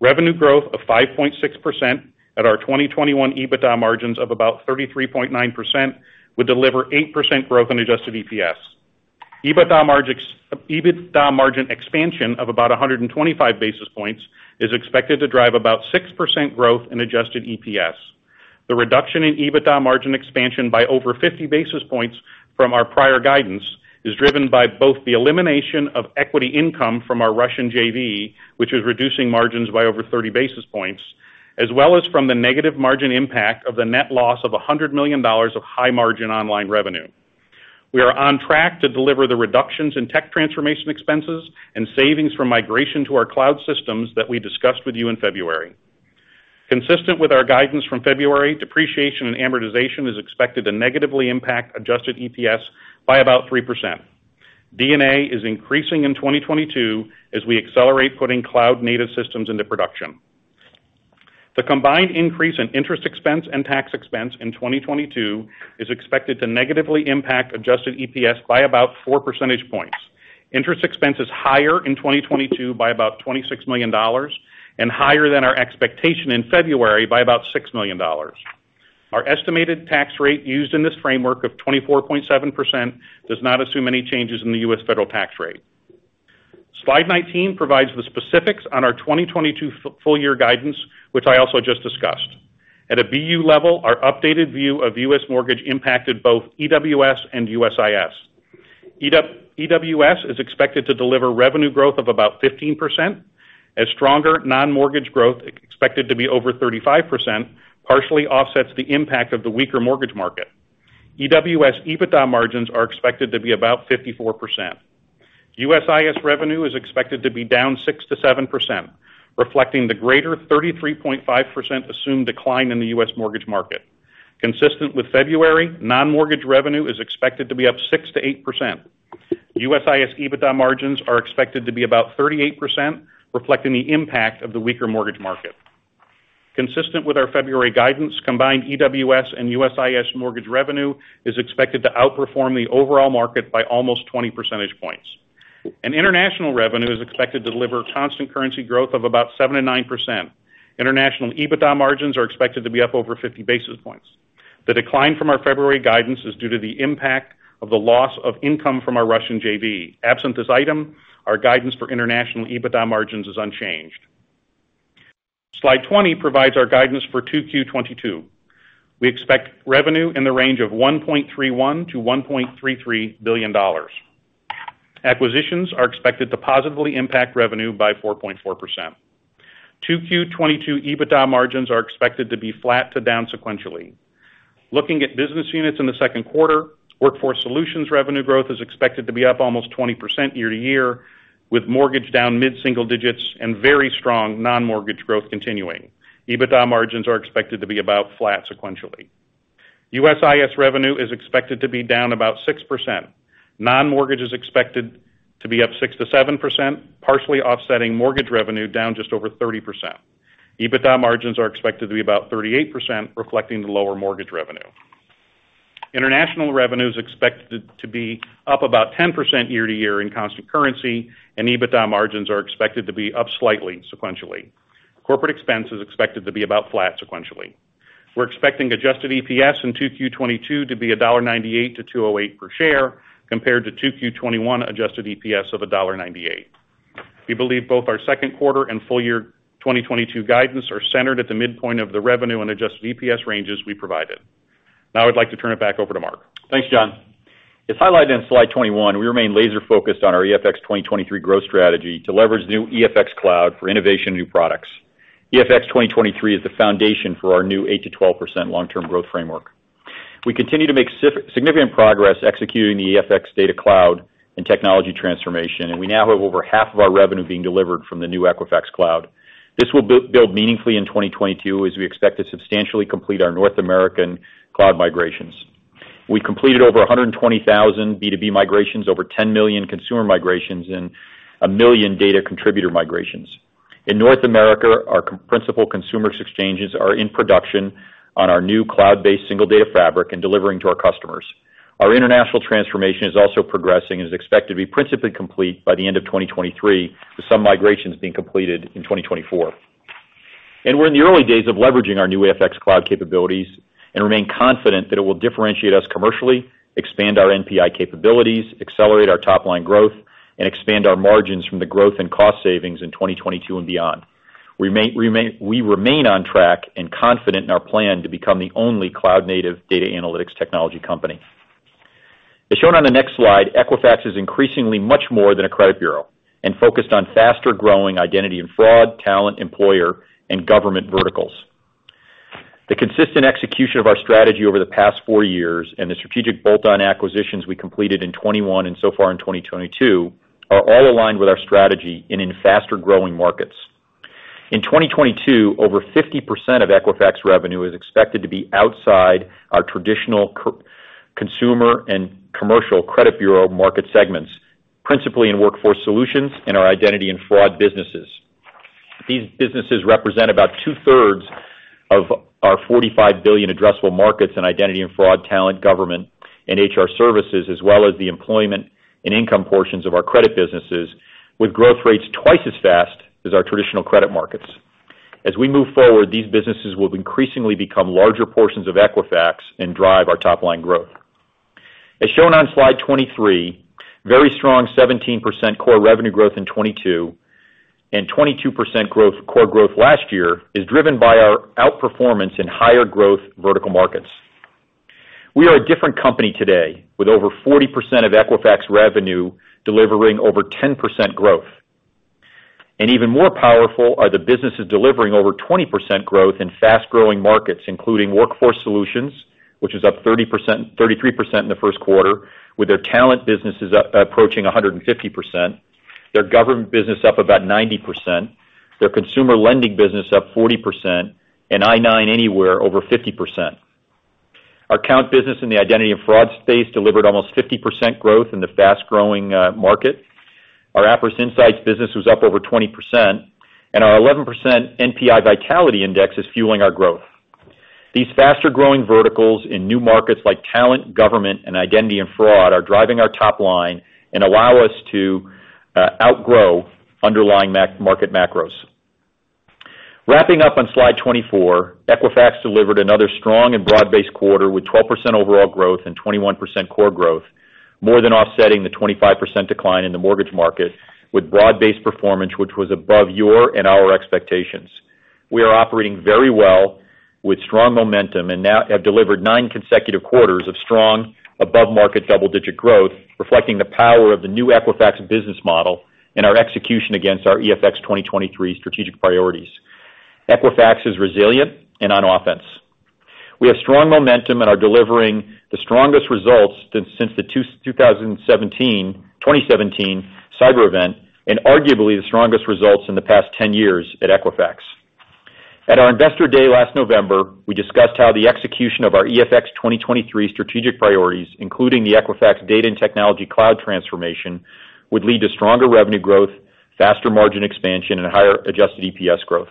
Revenue growth of 5.6% at our 2021 EBITDA margins of about 33.9% would deliver 8% growth in adjusted EPS. EBITDA margin expansion of about 125 basis points is expected to drive about 6% growth in adjusted EPS. The reduction in EBITDA margin expansion by over 50 basis points from our prior guidance is driven by both the elimination of equity income from our Russian JV, which is reducing margins by over 30 basis points, as well as from the negative margin impact of the net loss of $100 million of high margin online revenue. We are on track to deliver the reductions in tech transformation expenses and savings from migration to our cloud systems that we discussed with you in February. Consistent with our guidance from February, depreciation and amortization is expected to negatively impact adjusted EPS by about 3%. D&A is increasing in 2022 as we accelerate putting cloud-native systems into production. The combined increase in interest expense and tax expense in 2022 is expected to negatively impact adjusted EPS by about 4 percentage points. Interest expense is higher in 2022 by about $26 million and higher than our expectation in February by about $6 million. Our estimated tax rate used in this framework of 24.7% does not assume any changes in the U.S. federal tax rate. Slide 19 provides the specifics on our 2022 full year guidance, which I also just discussed. At a BU level, our updated view of U.S. mortgage impacted both EWS and USIS. EWS is expected to deliver revenue growth of about 15% as stronger non-mortgage growth expected to be over 35%, partially offsets the impact of the weaker mortgage market. EWS EBITDA margins are expected to be about 54%. USIS revenue is expected to be down 6%-7%, reflecting the greater 33.5% assumed decline in the U.S. mortgage market. Consistent with February, non-mortgage revenue is expected to be up 6%-8%. USIS EBITDA margins are expected to be about 38%, reflecting the impact of the weaker mortgage market. Consistent with our February guidance, combined EWS and USIS mortgage revenue is expected to outperform the overall market by almost 20 percentage points. International revenue is expected to deliver constant currency growth of about 7%-9%. International EBITDA margins are expected to be up over 50 basis points. The decline from our February guidance is due to the impact of the loss of income from our Russian JV. Absent this item, our guidance for international EBITDA margins is unchanged. Slide 20 provides our guidance for 2Q 2022. We expect revenue in the range of $1.31 billion-$1.33 billion. Acquisitions are expected to positively impact revenue by 4.4%. 2Q 2022 EBITDA margins are expected to be flat to down sequentially. Looking at business units in the second quarter, Workforce Solutions revenue growth is expected to be up almost 20% year-to-year, with mortgage down mid-single digits and very strong non-mortgage growth continuing. EBITDA margins are expected to be about flat sequentially. USIS revenue is expected to be down about 6%. Non-mortgage is expected to be up 6%-7%, partially offsetting mortgage revenue down just over 30%. EBITDA margins are expected to be about 38%, reflecting the lower mortgage revenue. International revenue is expected to be up about 10% year-to-year in constant currency, and EBITDA margins are expected to be up slightly sequentially. Corporate expense is expected to be about flat sequentially. We're expecting adjusted EPS in 2Q 2022 to be $1.98-$2.08 per share compared to 2Q 2021 adjusted EPS of $1.98. We believe both our second quarter and full year 2022 guidance are centered at the midpoint of the revenue and adjusted EPS ranges we provided. Now I'd like to turn it back over to Mark. Thanks, John. As highlighted in slide 21, we remain laser-focused on our EFX 2023 growth strategy to leverage new EFX cloud for innovation new products. EFX 2023 is the foundation for our new 8%-12% long-term growth framework. We continue to make significant progress executing the EFX data cloud and technology transformation, and we now have over half of our revenue being delivered from the new Equifax cloud. This will build meaningfully in 2022 as we expect to substantially complete our North American cloud migrations. We completed over 120,000 B2B migrations, over 10 million consumer migrations, and 1 million data contributor migrations. In North America, our principal consumer exchanges are in production on our new cloud-based single data fabric and delivering to our customers. Our international transformation is also progressing and is expected to be principally complete by the end of 2023, with some migrations being completed in 2024. We're in the early days of leveraging our new EFX cloud capabilities and remain confident that it will differentiate us commercially, expand our NPI capabilities, accelerate our top line growth, and expand our margins from the growth in cost savings in 2022 and beyond. We remain on track and confident in our plan to become the only cloud native data analytics technology company. As shown on the next slide, Equifax is increasingly much more than a credit bureau and focused on faster growing identity and fraud, talent, employer, and government verticals. The consistent execution of our strategy over the past four years and the strategic bolt-on acquisitions we completed in 2021 and so far in 2022 are all aligned with our strategy and in faster growing markets. In 2022, over 50% of Equifax revenue is expected to be outside our traditional consumer and commercial credit bureau market segments, principally in Workforce Solutions and our identity and fraud businesses. These businesses represent about two-thirds of our $45 billion addressable markets in identity and fraud, talent, government, and HR services, as well as the employment and income portions of our credit businesses, with growth rates twice as fast as our traditional credit markets. As we move forward, these businesses will increasingly become larger portions of Equifax and drive our top line growth. As shown on slide 23, very strong 17% core revenue growth in 2022 and 22% core growth last year is driven by our outperformance in higher growth vertical markets. We are a different company today, with over 40% of Equifax revenue delivering over 10% growth. Even more powerful are the businesses delivering over 20% growth in fast-growing markets, including Workforce Solutions, which is up 33% in the first quarter, with their talent businesses approaching 150%, their government business up about 90%, their consumer lending business up 40%, and I-9 Anywhere over 50%. Our Kount business in the identity and fraud space delivered almost 50% growth in the fast-growing market. Our Appriss Insights business was up over 20% and our 11% NPI Vitality Index is fueling our growth. These faster-growing verticals in new markets like talent, government, and identity and fraud are driving our top line and allow us to outgrow underlying market macros. Wrapping up on slide 24, Equifax delivered another strong and broad-based quarter with 12% overall growth and 21% core growth, more than offsetting the 25% decline in the mortgage market with broad-based performance, which was above your and our expectations. We are operating very well with strong momentum and now have delivered nine consecutive quarters of strong above market double-digit growth, reflecting the power of the new Equifax business model and our execution against our EFX 2023 strategic priorities. Equifax is resilient and on offense. We have strong momentum and are delivering the strongest results since the 2017 cyber event, and arguably the strongest results in the past 10 years at Equifax. At our Investor Day last November, we discussed how the execution of our EFX 2023 strategic priorities, including the Equifax data and technology cloud transformation, would lead to stronger revenue growth, faster margin expansion, and higher adjusted EPS growth.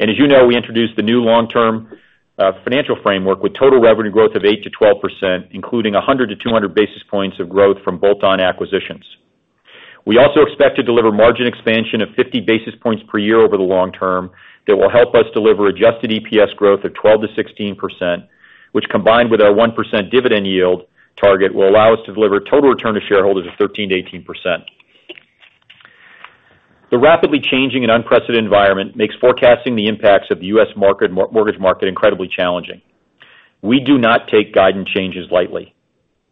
As you know, we introduced the new long-term financial framework with total revenue growth of 8%-12%, including 100-200 basis points of growth from bolt-on acquisitions. We also expect to deliver margin expansion of 50 basis points per year over the long term that will help us deliver adjusted EPS growth of 12%-16%, which combined with our 1% dividend yield target, will allow us to deliver total return to shareholders of 13%-18%. The rapidly changing and unprecedented environment makes forecasting the impacts of the U.S. mortgage market incredibly challenging. We do not take guidance changes lightly,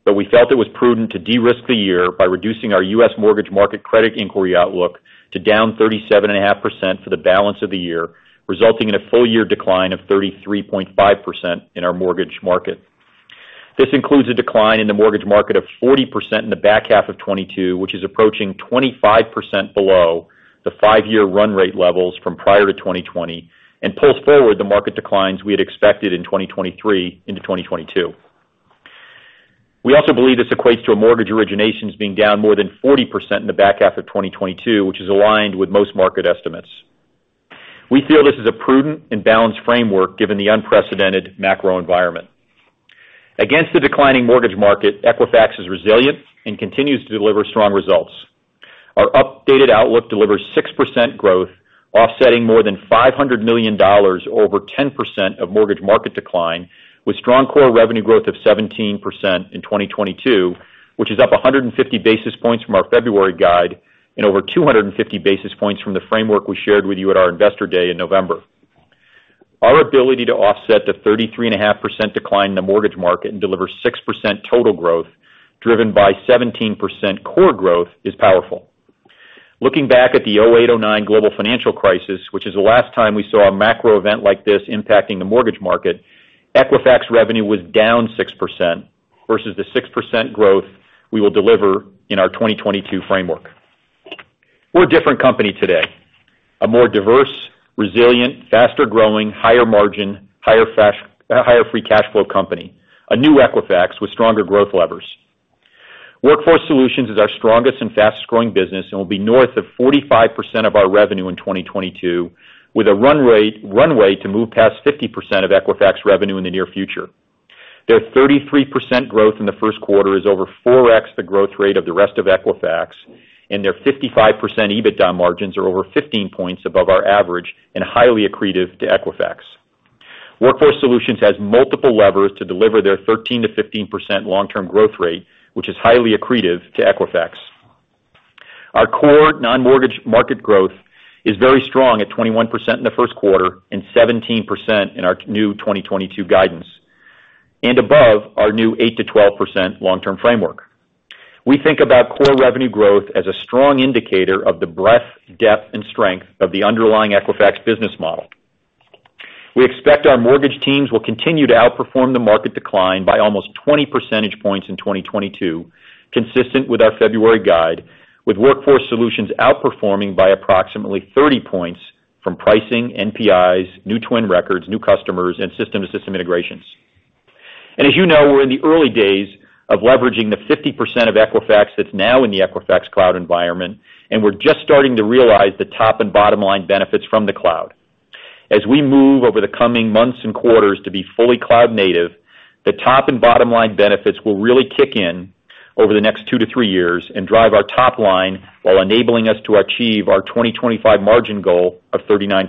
but we felt it was prudent to de-risk the year by reducing our U.S. mortgage market credit inquiry outlook to down 37.5% for the balance of the year, resulting in a full year decline of 33.5% in our mortgage market. This includes a decline in the mortgage market of 40% in the back half of 2022, which is approaching 25% below the five-year run rate levels from prior to 2020 and pulls forward the market declines we had expected in 2023 into 2022. We also believe this equates to a mortgage originations being down more than 40% in the back half of 2022, which is aligned with most market estimates. We feel this is a prudent and balanced framework given the unprecedented macro environment. Against the declining mortgage market, Equifax is resilient and continues to deliver strong results. Our updated outlook delivers 6% growth, offsetting more than $500 million over 10% of mortgage market decline, with strong core revenue growth of 17% in 2022, which is up 150 basis points from our February guide and over 250 basis points from the framework we shared with you at our Investor Day in November. Our ability to offset the 33.5% decline in the mortgage market and deliver 6% total growth driven by 17% core growth is powerful. Looking back at the 2008-2009 global financial crisis, which is the last time we saw a macro event like this impacting the mortgage market, Equifax revenue was down 6% versus the 6% growth we will deliver in our 2022 framework. We're a different company today. A more diverse, resilient, faster growing, higher margin, higher free cash flow company. A new Equifax with stronger growth levers. Workforce Solutions is our strongest and fastest growing business and will be north of 45% of our revenue in 2022 with a runway to move past 50% of Equifax revenue in the near future. Their 33% growth in the first quarter is over 4x the growth rate of the rest of Equifax, and their 55% EBITDA margins are over 15 points above our average and highly accretive to Equifax. Workforce Solutions has multiple levers to deliver their 13%-15% long-term growth rate, which is highly accretive to Equifax. Our core non-mortgage market growth is very strong at 21% in the first quarter and 17% in our new 2022 guidance, and above our new 8%-12% long-term framework. We think about core revenue growth as a strong indicator of the breadth, depth and strength of the underlying Equifax business model. We expect our mortgage teams will continue to outperform the market decline by almost 20 percentage points in 2022, consistent with our February guide, with Workforce Solutions outperforming by approximately 30 points from pricing, NPIs, new TWN records, new customers and system-to-system integrations. As you know, we're in the early days of leveraging the 50% of Equifax that's now in the Equifax Cloud environment, and we're just starting to realize the top and bottom line benefits from the cloud. As we move over the coming months and quarters to be fully cloud native, the top and bottom line benefits will really kick in over the next 2-3 years and drive our top line while enabling us to achieve our 2025 margin goal of 39%.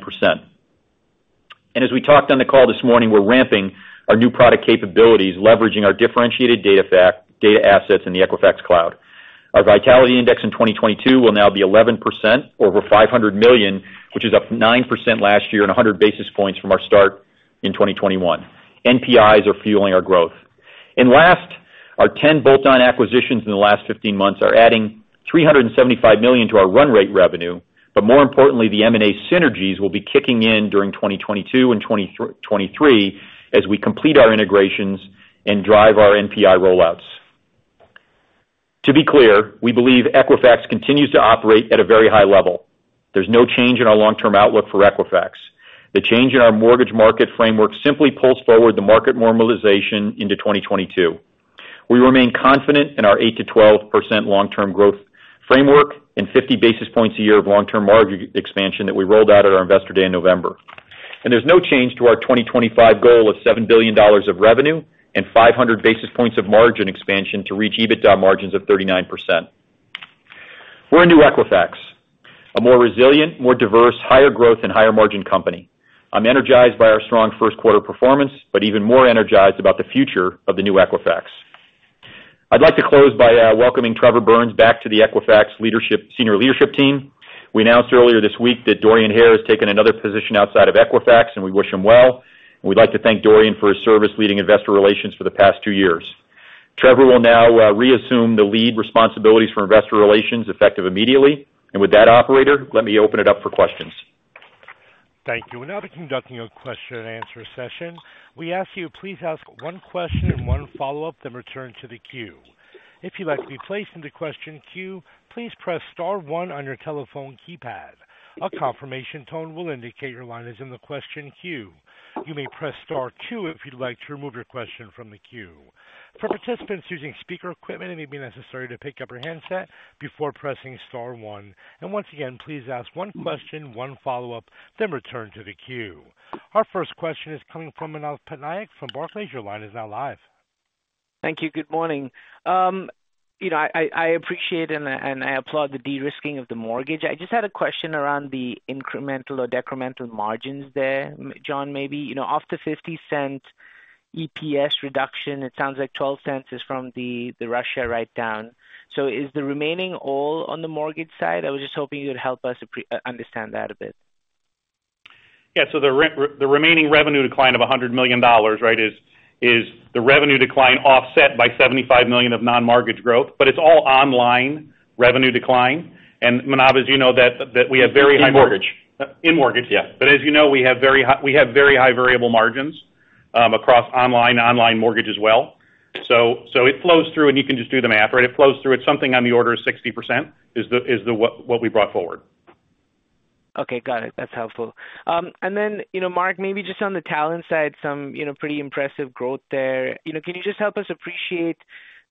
As we talked on the call this morning, we're ramping our new product capabilities, leveraging our differentiated data assets in the Equifax Cloud. Our Vitality Index in 2022 will now be 11%, over $500 million, which is up 9% last year and 100 basis points from our start in 2021. NPIs are fueling our growth. Last, our 10 bolt-on acquisitions in the last 15 months are adding $375 million to our run rate revenue. More importantly, the M&A synergies will be kicking in during 2022 and 2023 as we complete our integrations and drive our NPI rollouts. To be clear, we believe Equifax continues to operate at a very high level. There's no change in our long-term outlook for Equifax. The change in our mortgage market framework simply pulls forward the market normalization into 2022. We remain confident in our 8%-12% long-term growth framework and 50 basis points a year of long-term margin expansion that we rolled out at our Investor Day in November. There's no change to our 2025 goal of $7 billion of revenue and 500 basis points of margin expansion to reach EBITDA margins of 39%. We're a new Equifax, a more resilient, more diverse, higher growth and higher margin company. I'm energized by our strong first quarter performance, but even more energized about the future of the new Equifax. I'd like to close by welcoming Trevor Burns back to the Equifax senior leadership team. We announced earlier this week that Dorian Hare has taken another position outside of Equifax, and we wish him well. We'd like to thank Dorian for his service leading investor relations for the past two years. Trevor will now reassume the lead responsibilities for investor relations effective immediately. With that operator, let me open it up for questions. Thank you. We'll now be conducting a question and answer session. We ask you please ask one question and one follow-up, then return to the queue. If you'd like to be placed into question queue, please press star one on your telephone keypad. A confirmation tone will indicate your line is in the question queue. You may press star two if you'd like to remove your question from the queue. For participants using speaker equipment, it may be necessary to pick up your handset before pressing star one. Once again, please ask one question, one follow-up, then return to the queue. Our first question is coming from Manav Patnaik from Barclays. Your line is now live. Thank you. Good morning. You know, I appreciate and applaud the de-risking of the mortgage. I just had a question around the incremental or decremental margins there, John, maybe. You know, off the $0.50 EPS reduction, it sounds like $0.12 is from the Russia write-down. Is the remaining all on the mortgage side? I was just hoping you would help us understand that a bit. The remaining revenue decline of $100 million, right, is the revenue decline offset by $75 million of non-mortgage growth. It's all online revenue decline. Manav, as you know, that we have very high mortgage. In mortgage. In mortgage, yes. As you know, we have very high variable margins across online mortgage as well. It flows through and you can just do the math, right? It flows through. It's something on the order of 60% is what we brought forward. Okay. Got it. That's helpful. Then, you know, Mark, maybe just on the talent side, some, you know, pretty impressive growth there. You know, can you just help us appreciate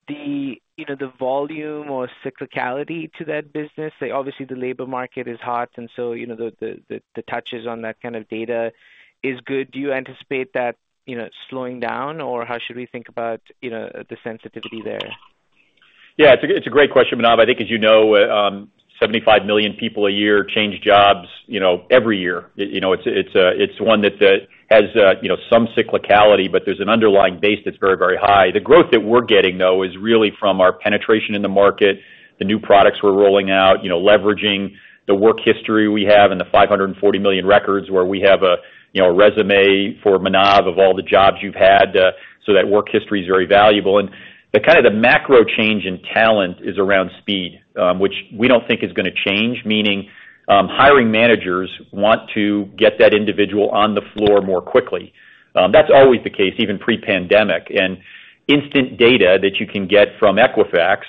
the, you know, the volume or cyclicality to that business? Obviously, the labor market is hot and so, you know, the touches on that kind of data is good. Do you anticipate that, you know, slowing down or how should we think about, you know, the sensitivity there? Yeah, it's a great question, Manav. I think as you know, 75 million people a year change jobs, you know, every year. You know, it's one that has, you know, some cyclicality, but there's an underlying base that's very, very high. The growth that we're getting, though, is really from our penetration in the market, the new products we're rolling out, you know, leveraging the work history we have and the 540 million records where we have a, you know, a resume for Manav of all the jobs you've had, so that work history is very valuable. The kind of macro change in talent is around speed, which we don't think is gonna change. Meaning, hiring managers want to get that individual on the floor more quickly. That's always the case, even pre-pandemic. Instant data that you can get from Equifax,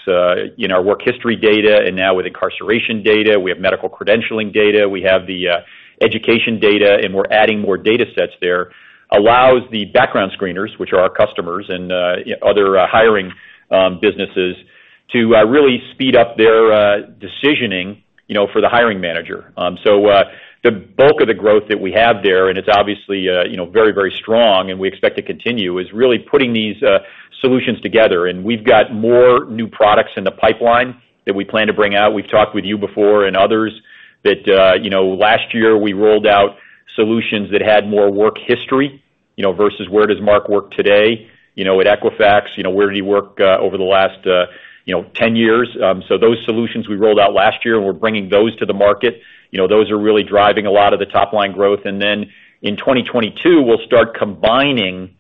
in our work history data, and now with incarceration data, we have medical credentialing data, we have the education data, and we're adding more data sets there, allows the background screeners, which are our customers and other hiring businesses to really speed up their decisioning, you know, for the hiring manager. The bulk of the growth that we have there, and it's obviously you know very, very strong and we expect to continue, is really putting these solutions together. We've got more new products in the pipeline that we plan to bring out. We've talked with you before and others that you know last year we rolled out solutions that had more work history, you know, versus where does Mark work today? You know, at Equifax, you know, where did he work over the last, you know, 10 years? Those solutions we rolled out last year, and we're bringing those to the market. You know, those are really driving a lot of the top-line growth. In 2022, we'll start combining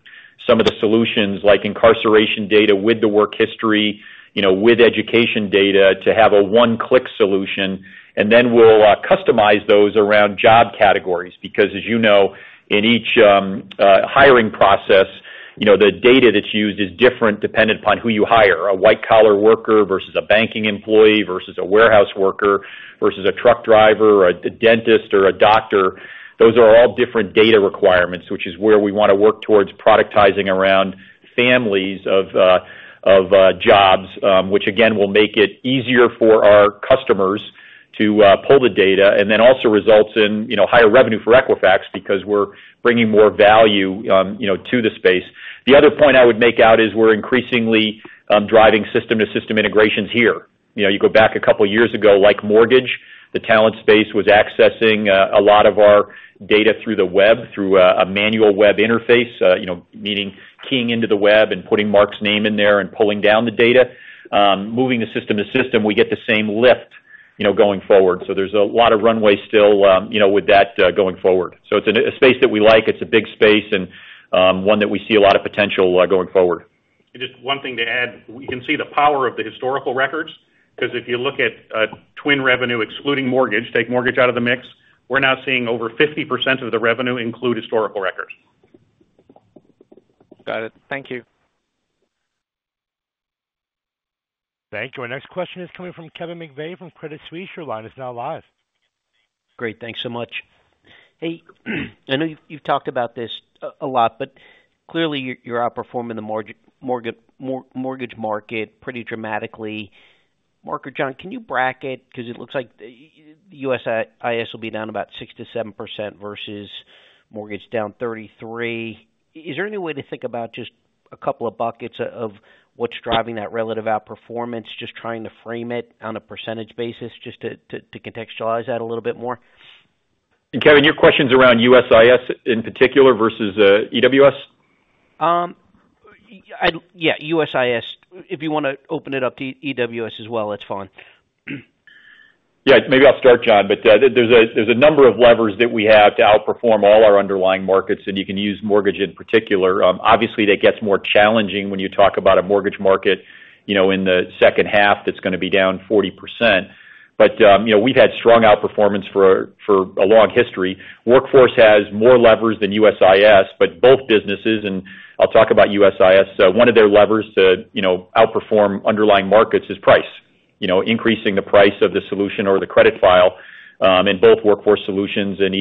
some of the solutions like incarceration data with the work history, you know, with education data to have a one-click solution. We'll customize those around job categories because as you know, in each hiring process, you know, the data that's used is different dependent upon who you hire. A white-collar worker versus a banking employee versus a warehouse worker versus a truck driver or a dentist or a doctor. Those are all different data requirements, which is where we wanna work towards productizing around families of jobs, which again, will make it easier for our customers to pull the data and then also results in, you know, higher revenue for Equifax because we're bringing more value, you know, to the space. The other point I would make out is we're increasingly driving system-to-system integrations here. You know, you go back a couple of years ago, like mortgage, the talent space was accessing a lot of our data through the web, through a manual web interface, you know, meaning keying into the web and putting Mark's name in there and pulling down the data. Moving the system to system, we get the same lift, you know, going forward. There's a lot of runway still, you know, with that, going forward. It's a space that we like, it's a big space and, one that we see a lot of potential, going forward. Just one thing to add. We can see the power of the historical records, 'cause if you look at TWN revenue excluding mortgage, take mortgage out of the mix, we're now seeing over 50% of the revenue include historical records. Got it. Thank you. Thank you. Our next question is coming from Kevin McVeigh from Credit Suisse. Your line is now live. Great. Thanks so much. Hey, I know you've talked about this a lot, but clearly you're outperforming the mortgage market pretty dramatically. Mark or John, can you bracket? 'Cause it looks like USIS will be down about 6%-7% versus mortgage down 33%. Is there any way to think about just a couple of buckets of what's driving that relative outperformance? Just trying to frame it on a percentage basis just to contextualize that a little bit more. Kevin, your question's around USIS in particular versus EWS? Yeah, USIS. If you wanna open it up to EWS as well, that's fine. Yeah. Maybe I'll start, John. There's a number of levers that we have to outperform all our underlying markets, and you can use mortgage in particular. Obviously, that gets more challenging when you talk about a mortgage market, you know, in the second half that's gonna be down 40%. We've had strong outperformance for a long history. Workforce has more levers than USIS, but both businesses, and I'll talk about USIS. One of their levers to, you know, outperform underlying markets is price. You know, increasing the price of the solution or the credit file, in both workforce solutions and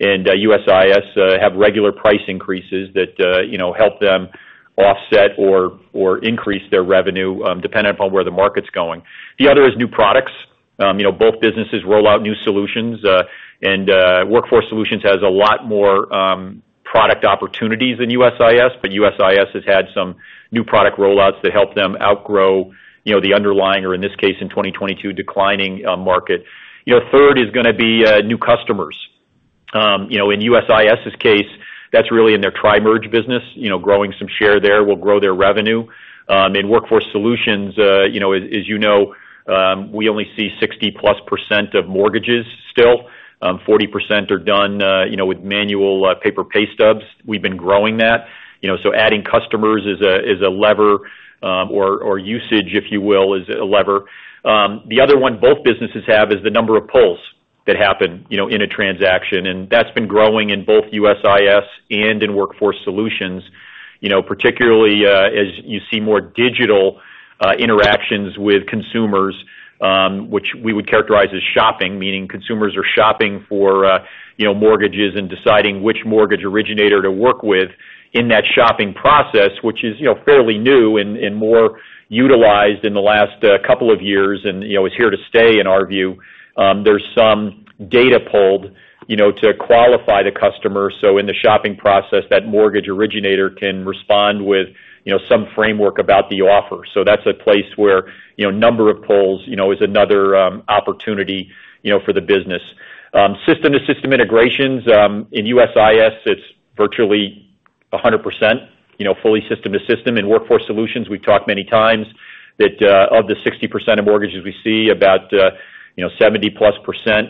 USIS, have regular price increases that, you know, help them offset or increase their revenue, depending upon where the market's going. The other is new products. You know, both businesses roll out new solutions, and Workforce Solutions has a lot more product opportunities than USIS, but USIS has had some new product rollouts to help them outgrow, you know, the underlying, or in this case, in 2022 declining market. You know, third is gonna be new customers. You know, in USIS's case, that's really in their TriMerge business, you know, growing some share there will grow their revenue. In Workforce Solutions, you know, as you know, we only see 60+% of mortgages still. 40% are done, you know, with manual paper pay stubs. We've been growing that, you know. So adding customers is a lever, or usage, if you will, is a lever. The other one both businesses have is the number of pulls that happen, you know, in a transaction. That's been growing in both USIS and in Workforce Solutions. You know, particularly, as you see more digital interactions with consumers, which we would characterize as shopping, meaning consumers are shopping for, you know, mortgages and deciding which mortgage originator to work with in that shopping process, which is, you know, fairly new and more utilized in the last couple of years and, you know, is here to stay in our view. There's some data pulled, you know, to qualify the customer. In the shopping process, that mortgage originator can respond with, you know, some framework about the offer. That's a place where, you know, number of pulls, you know, is another opportunity, you know, for the business. System-to-system integrations in USIS it's virtually 100%, you know, fully system to system. In Workforce Solutions, we've talked many times that of the 60% of mortgages we see about, you know, 70%+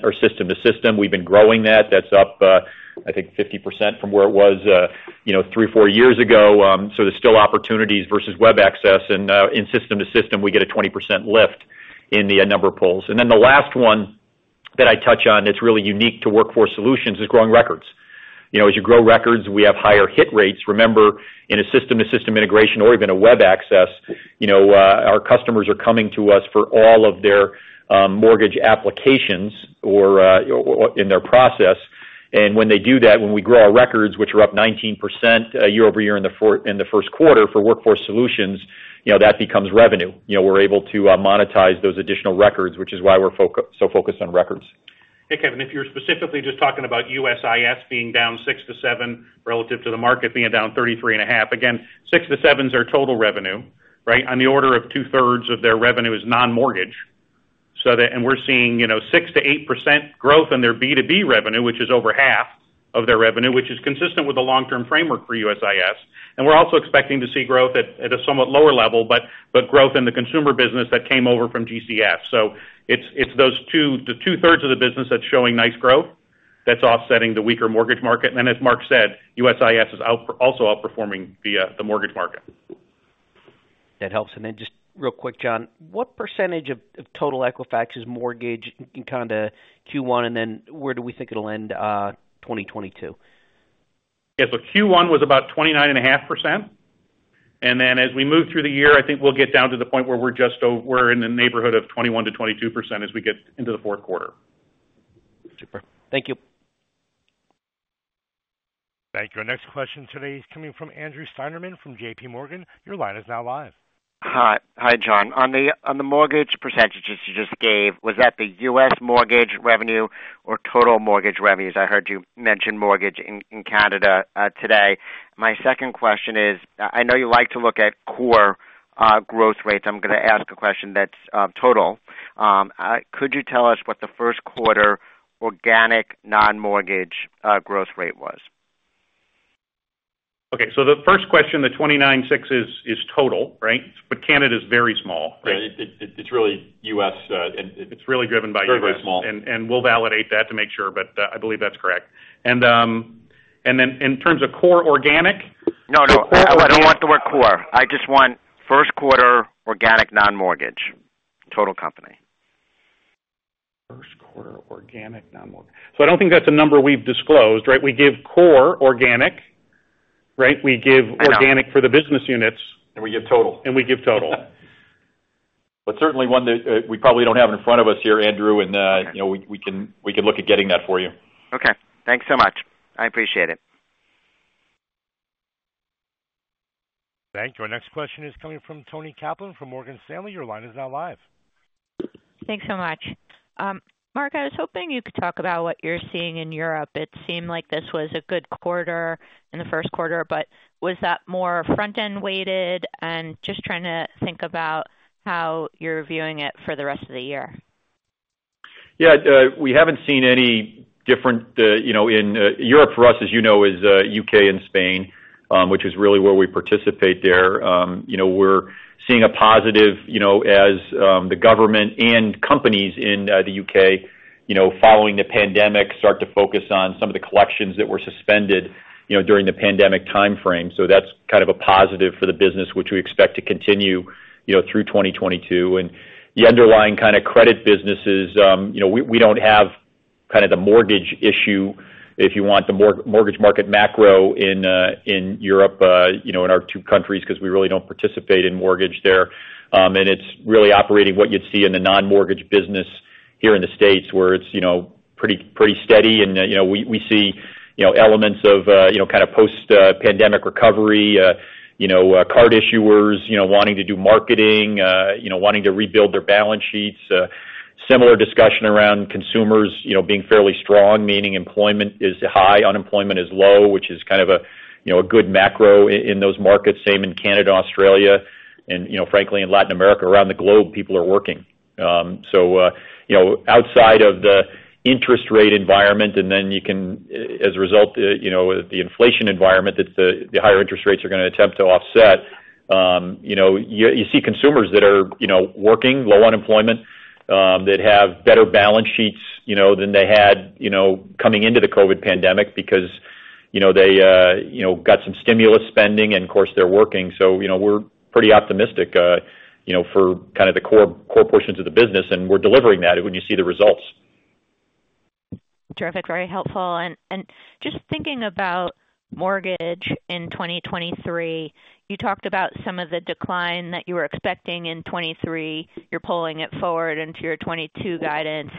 are system to system. We've been growing that. That's up, I think 50% from where it was, you know, 3-4 years ago. So there's still opportunities versus web access. In system to system, we get a 20% lift in the number of pulls. Then the last one that I touch on that's really unique to Workforce Solutions is growing records. You know, as you grow records, we have higher hit rates. Remember, in a system-to-system integration or even a web access, you know, our customers are coming to us for all of their mortgage applications or in their process. When they do that, when we grow our records, which are up 19% year-over-year in the first quarter for Workforce Solutions, you know, that becomes revenue. You know, we're able to monetize those additional records, which is why we're so focused on records. Hey, Kevin. If you're specifically just talking about USIS being down 6%-7% relative to the market being down 33.5%. Again, 6%-7% is our total revenue, right? On the order of 2/3 of their revenue is non-mortgage. We're seeing, you know, 6%-8% growth in their B2B revenue, which is over half of their revenue, which is consistent with the long-term framework for USIS. We're also expecting to see growth at a somewhat lower level, but growth in the consumer business that came over from GCS. It's those two, the two-thirds of the business that's showing nice growth that's offsetting the weaker mortgage market. As Mark said, USIS is also outperforming the mortgage market. That helps. Then just real quick, John, what percentage of total Equifax is mortgage in Canada Q1, and then where do we think it'll end, 2022? Yeah. Q1 was about 29.5%. Then as we move through the year, I think we'll get down to the point where we're in the neighborhood of 21%-22% as we get into the fourth quarter. Super. Thank you. Thank you. Our next question today is coming from Andrew Steinerman from J.P. Morgan. Your line is now live. Hi. Hi, John. On the mortgage percentages you just gave, was that the U.S. mortgage revenue or total mortgage revenues? I heard you mention mortgage in Canada today. My second question is, I know you like to look at core growth rates. I'm gonna ask a question that's total. Could you tell us what the first quarter organic non-mortgage growth rate was? Okay, the first question, the 296 is total, right? Canada is very small. Yeah, it's really U.S. It's really driven by U.S. Very, very small. We'll validate that to make sure, but I believe that's correct. Then in terms of core organic- No, no. I don't want the word core. I just want first quarter organic non-mortgage, total company. First quarter organic non-mortgage. I don't think that's a number we've disclosed, right? We give core organic, right? I know. organic for the business units. We give total. We give total. Certainly one that we probably don't have in front of us here, Andrew. You know, we can look at getting that for you. Okay. Thanks so much. I appreciate it. Thank you. Our next question is coming from Toni Kaplan from Morgan Stanley. Your line is now live. Thanks so much. Mark, I was hoping you could talk about what you're seeing in Europe. It seemed like this was a good quarter in the first quarter, but was that more front-end weighted? Just trying to think about how you're viewing it for the rest of the year. Yeah. We haven't seen any different, you know, in Europe for us. As you know, it is U.K. and Spain, which is really where we participate there. You know, we're seeing a positive, you know, as the government and companies in the U.K., you know, following the pandemic, start to focus on some of the collections that were suspended, you know, during the pandemic timeframe. That's kind of a positive for the business, which we expect to continue, you know, through 2022. The underlying kind of credit businesses, you know, we don't have kind of the mortgage issue, if you want, the mortgage market macro in Europe, you know, in our two countries, because we really don't participate in mortgage there. It's really operating what you'd see in the non-mortgage business here in the States where it's, you know, pretty steady. We see elements of, you know, kind of post pandemic recovery, you know, card issuers, you know, wanting to do marketing, you know, wanting to rebuild their balance sheets. Similar discussion around consumers, you know, being fairly strong, meaning employment is high, unemployment is low, which is kind of a, you know, a good macro in those markets. Same in Canada, Australia, and, you know, frankly, in Latin America. Around the globe, people are working. You know, outside of the interest rate environment, and then, as a result, you know, the inflation environment that the higher interest rates are gonna attempt to offset, you know, you see consumers that are, you know, working, low unemployment, that have better balance sheets, you know, than they had, you know, coming into the COVID pandemic because, you know, they got some stimulus spending and, of course, they're working. You know, we're pretty optimistic, you know, for kind of the core portions of the business, and we're delivering that when you see the results. Terrific, very helpful. Just thinking about mortgage in 2023, you talked about some of the decline that you were expecting in 2023. You're pulling it forward into your 2022 guidance.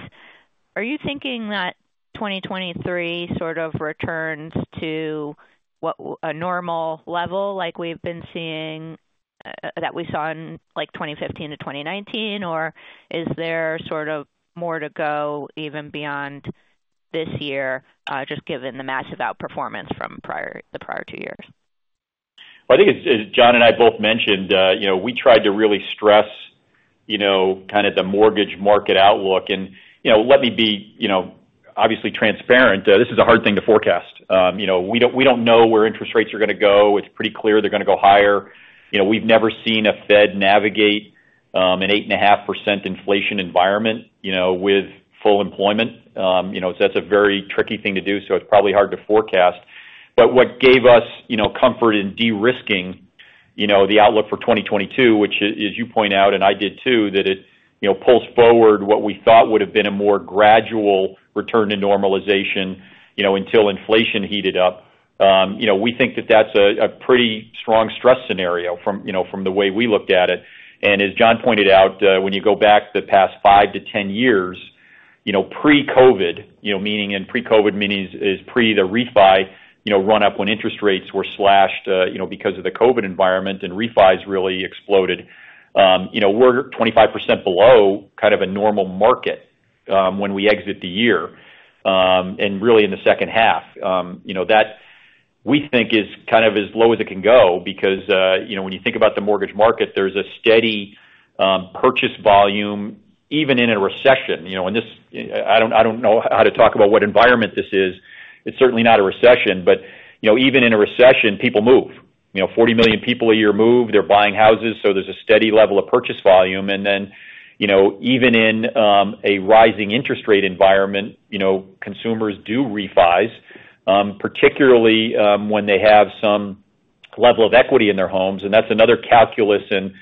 Are you thinking that 2023 sort of returns to what a normal level like we've been seeing, that we saw in, like, 2015 to 2019? Or is there sort of more to go even beyond this year, just given the massive outperformance from the prior two years? I think as John and I both mentioned, you know, we tried to really stress, you know, kind of the mortgage market outlook. You know, let me be, you know, obviously transparent. This is a hard thing to forecast. You know, we don't know where interest rates are gonna go. It's pretty clear they're gonna go higher. You know, we've never seen a Fed navigate an 8.5% inflation environment, you know, with full employment. That's a very tricky thing to do, so it's probably hard to forecast. What gave us, you know, comfort in de-risking, you know, the outlook for 2022, which as you point out, and I did too, that it, you know, pulls forward what we thought would have been a more gradual return to normalization, you know, until inflation heated up. You know, we think that that's a pretty strong stress scenario from, you know, from the way we looked at it. As John pointed out, when you go back the past 5-10 years, you know, pre-COVID, you know, meaning in pre-COVID meetings is pre the refi, you know, run up when interest rates were slashed, you know, because of the COVID environment and refis really exploded. You know, we're 25% below kind of a normal market, when we exit the year, and really in the second half. You know, that we think is kind of as low as it can go because, you know, when you think about the mortgage market, there's a steady purchase volume, even in a recession. I don't know how to talk about what environment this is. It's certainly not a recession, but, you know, even in a recession, people move. You know, 40 million people a year move, they're buying houses, so there's a steady level of purchase volume. Then, you know, even in a rising interest rate environment, you know, consumers do refis, particularly, when they have some level of equity in their homes. That's another calculus and,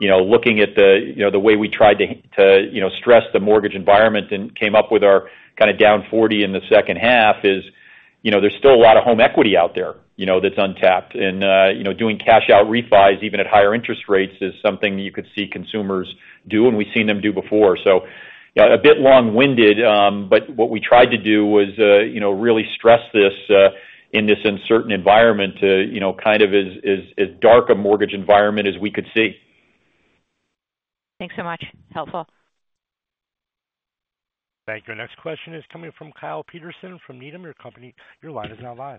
you know, looking at the, you know, the way we tried to you know stress the mortgage environment and came up with our kind of down 40% in the second half is, you know, there's still a lot of home equity out there, you know, that's untapped. You know, doing cash out refis, even at higher interest rates is something you could see consumers do, and we've seen them do before. A bit long-winded, but what we tried to do was, you know, really stress this in this uncertain environment, you know, kind of as dark a mortgage environment as we could see. Thanks so much. Helpful. Thank you. Next question is coming from Kyle Peterson from Needham & Company. Your line is now live.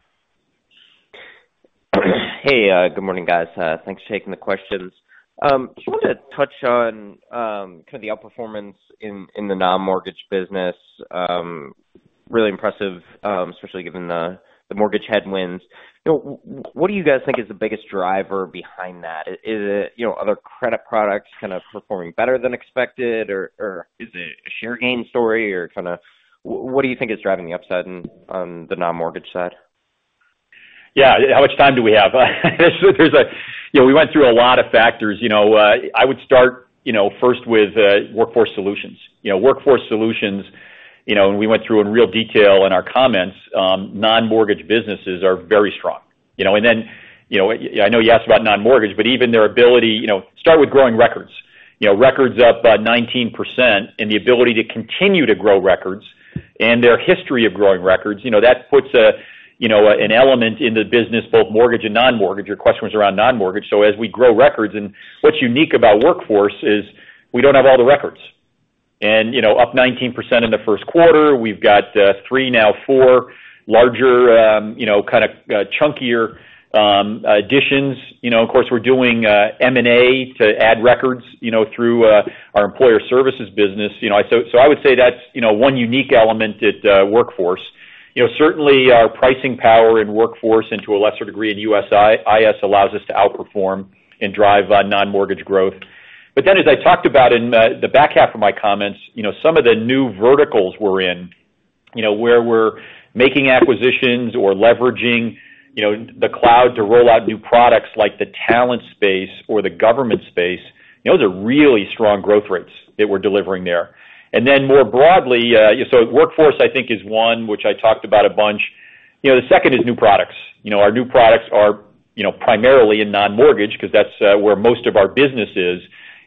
Hey, good morning, guys. Thanks for taking the questions. Just wanted to touch on kind of the outperformance in the non-mortgage business. Really impressive, especially given the mortgage headwinds. What do you guys think is the biggest driver behind that? Is it, you know, other credit products kind of performing better than expected, or is it a share gain story, or kinda what do you think is driving the upside on the non-mortgage side? Yeah. How much time do we have? You know, we went through a lot of factors. You know, I would start first with Workforce Solutions. You know, Workforce Solutions, you know, we went through in real detail in our comments. Non-mortgage businesses are very strong. You know, I know you asked about non-mortgage, but even their ability. You know, start with growing records. You know, records up 19% and the ability to continue to grow records and their history of growing records. You know, that puts an element in the business, both mortgage and non-mortgage. Your question was around non-mortgage. As we grow records, and what's unique about Workforce is we don't have all the records. You know, up 19% in the first quarter. We've got three, now four larger, you know, kinda chunkier additions. You know, of course, we're doing M&A to add records, you know, through our employer services business. You know, so I would say that's one unique element at Workforce. You know, certainly our pricing power in Workforce to a lesser degree in USIS allows us to outperform and drive non-mortgage growth. As I talked about in the back half of my comments, you know, some of the new verticals we're in, you know, where we're making acquisitions or leveraging, you know, the cloud to roll out new products like the talent space or the government space, you know, those are really strong growth rates that we're delivering there. More broadly, Workforce, I think, is one which I talked about a bunch. You know, the second is new products. You know, our new products are, you know, primarily in non-mortgage because that's where most of our business is.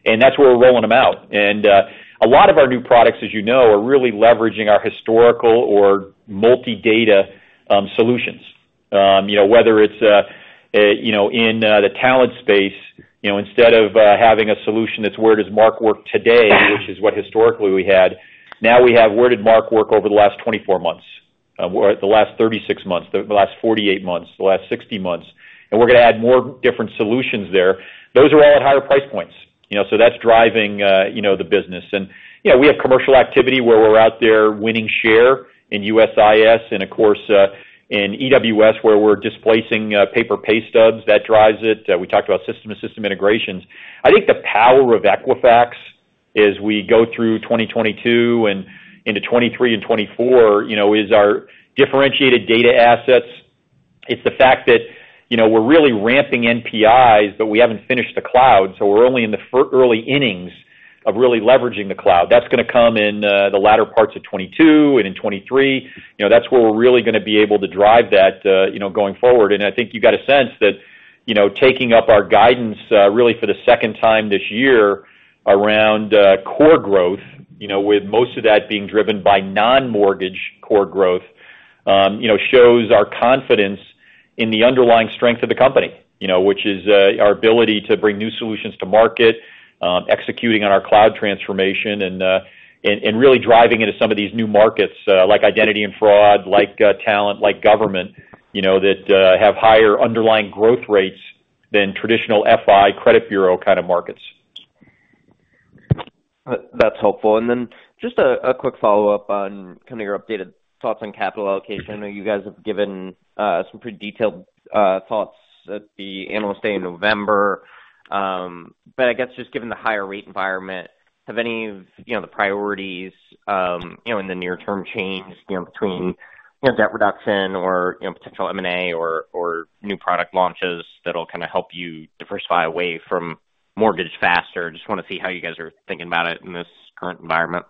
That's where we're rolling them out. A lot of our new products, as you know, are really leveraging our historical or multi-data solutions. You know, whether it's you know, in the talent space, you know, instead of having a solution that's where does Mark work today, which is what historically we had, now we have where did Mark work over the last 24 months, or the last 36 months, the last 48 months, the last 60 months. We're gonna add more different solutions there. Those are all at higher price points, you know, so that's driving you know, the business. You know, we have commercial activity where we're out there winning share in USIS and, of course, in EWS, where we're displacing paper pay stubs that drives it. We talked about system to system integrations. I think the power of Equifax as we go through 2022 and into 2023 and 2024, you know, is our differentiated data assets. It's the fact that, you know, we're really ramping NPIs, but we haven't finished the cloud, so we're only in the early innings of really leveraging the cloud. That's gonna come in the latter parts of 2022 and in 2023. You know, that's where we're really gonna be able to drive that, you know, going forward. I think you got a sense that, you know, taking up our guidance really for the second time this year around core growth, you know, with most of that being driven by non-mortgage core growth, you know, shows our confidence in the underlying strength of the company, you know, which is our ability to bring new solutions to market, executing on our cloud transformation and and really driving into some of these new markets, uh, like identity and fraud, like talent, like government, you know, that have higher underlying growth rates than traditional FI credit bureau kind of markets. That's helpful. Just a quick follow-up on kind of your updated thoughts on capital allocation. I know you guys have given some pretty detailed thoughts at the Analyst Day in November. I guess just given the higher rate environment, have any of the priorities, you know, in the near term changed, you know, between debt reduction or potential M&A or new product launches that'll kind of help you diversify away from mortgage faster? Just wanna see how you guys are thinking about it in this current environment.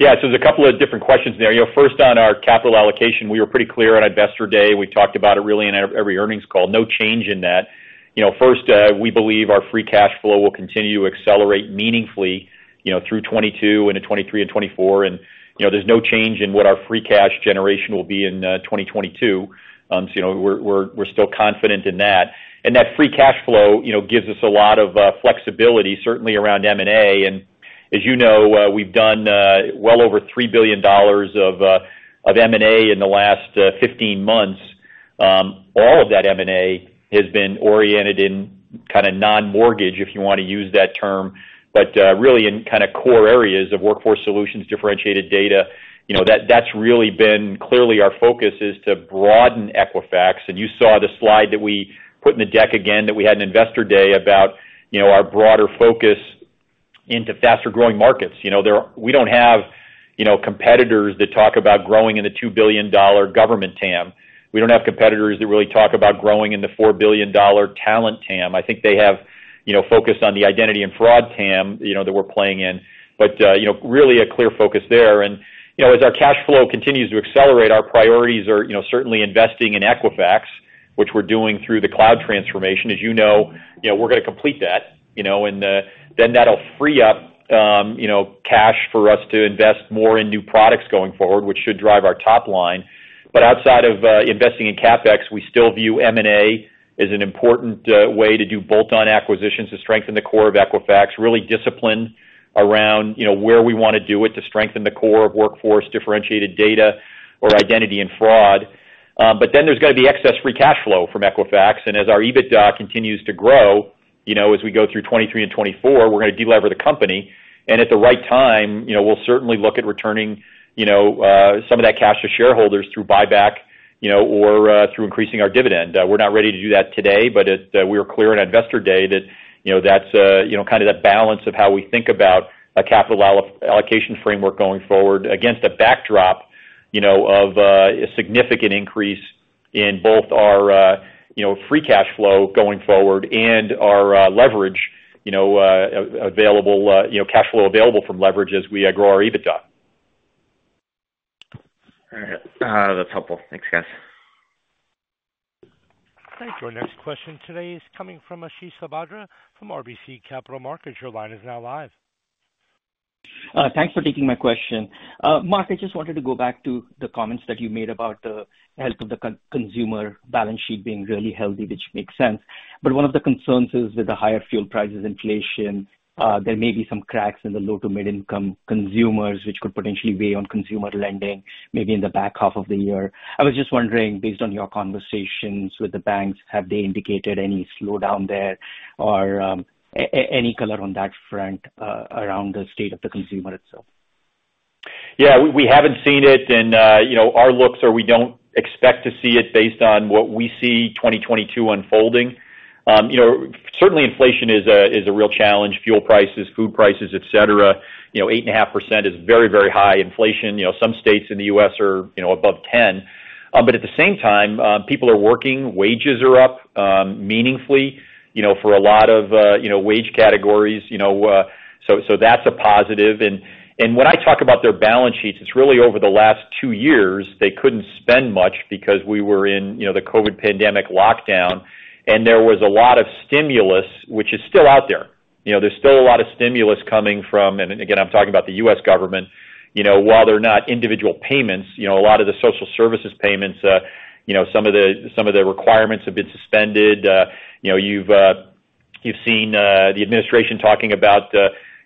Yeah. There's a couple of different questions there. You know, first on our capital allocation, we were pretty clear on Investor Day. We talked about it really in every earnings call. No change in that. You know, first, we believe our free cash flow will continue to accelerate meaningfully, you know, through 2022 into 2023 and 2024. You know, there's no change in what our free cash generation will be in 2022. You know, we're still confident in that. That free cash flow, you know, gives us a lot of flexibility, certainly around M&A. As you know, we've done well over $3 billion of M&A in the last 15 months. All of that M&A has been oriented in kind of non-mortgage, if you wanna use that term, but really in kind of core areas of Workforce Solutions, differentiated data. You know, that's really been clearly our focus is to broaden Equifax. You saw the slide that we put in the deck again that we had in Investor Day about, you know, our broader focus into faster growing markets. You know, we don't have, you know, competitors that talk about growing in the $2 billion government TAM. We don't have competitors that really talk about growing in the $4 billion talent TAM. I think they have, you know, focused on the identity and fraud TAM, you know, that we're playing in. But you know, really a clear focus there. You know, as our cash flow continues to accelerate, our priorities are, you know, certainly investing in Equifax, which we're doing through the cloud transformation. As you know, you know, we're gonna complete that, you know, and then that'll free up, you know, cash for us to invest more in new products going forward, which should drive our top line. But outside of investing in CapEx, we still view M&A as an important way to do bolt-on acquisitions to strengthen the core of Equifax, really discipline around, you know, where we wanna do it to strengthen the core of Workforce differentiated data or identity and fraud. But then there's gonna be excess free cash flow from Equifax. As our EBITDA continues to grow, you know, as we go through 2023 and 2024, we're gonna delever the company. At the right time, you know, we'll certainly look at returning, you know, some of that cash to shareholders through buyback, you know, or through increasing our dividend. We're not ready to do that today, but we were clear on Investor Day that, you know, that's, you know, kind of that balance of how we think about a capital allocation framework going forward against a backdrop, you know, of a significant increase in both our, you know, free cash flow going forward and our leverage, you know, available cash flow available from leverage as we grow our EBITDA. All right. That's helpful. Thanks, guys. Thanks. Our next question today is coming from Ashish Sabadra from RBC Capital Markets. Your line is now live. Thanks for taking my question. Mark, I just wanted to go back to the comment that you made about the health of the consumer balance sheet being really healthy, which makes sense. But one of the concerns is that the higher fuel price in inflation, there may be some cracks in the low to mid income consumers, which could potentially weigh on consumer lending. Maybe in the back half of the year. I was just wondering, based on your conversation with the banks, have they indicated any slowdown there, or any color on that front around the state of the consumer itself? We haven't seen it, and you know, our outlook is we don't expect to see it based on what we see 2022 unfolding. You know, certainly inflation is a real challenge, fuel prices, food prices, et cetera. You know, 8.5% is very, very high inflation. You know, some states in the U.S. are, you know, above 10%. But at the same time, people are working, wages are up meaningfully, you know, for a lot of, you know, wage categories, you know, that's a positive. When I talk about their balance sheets, it's really over the last two years, they couldn't spend much because we were in, you know, the COVID pandemic lockdown, and there was a lot of stimulus, which is still out there. You know, there's still a lot of stimulus coming from. Again, I'm talking about the U.S. government. You know, while they're not individual payments, you know, a lot of the social services payments, you know, some of the requirements have been suspended. You know, you've seen the administration talking about,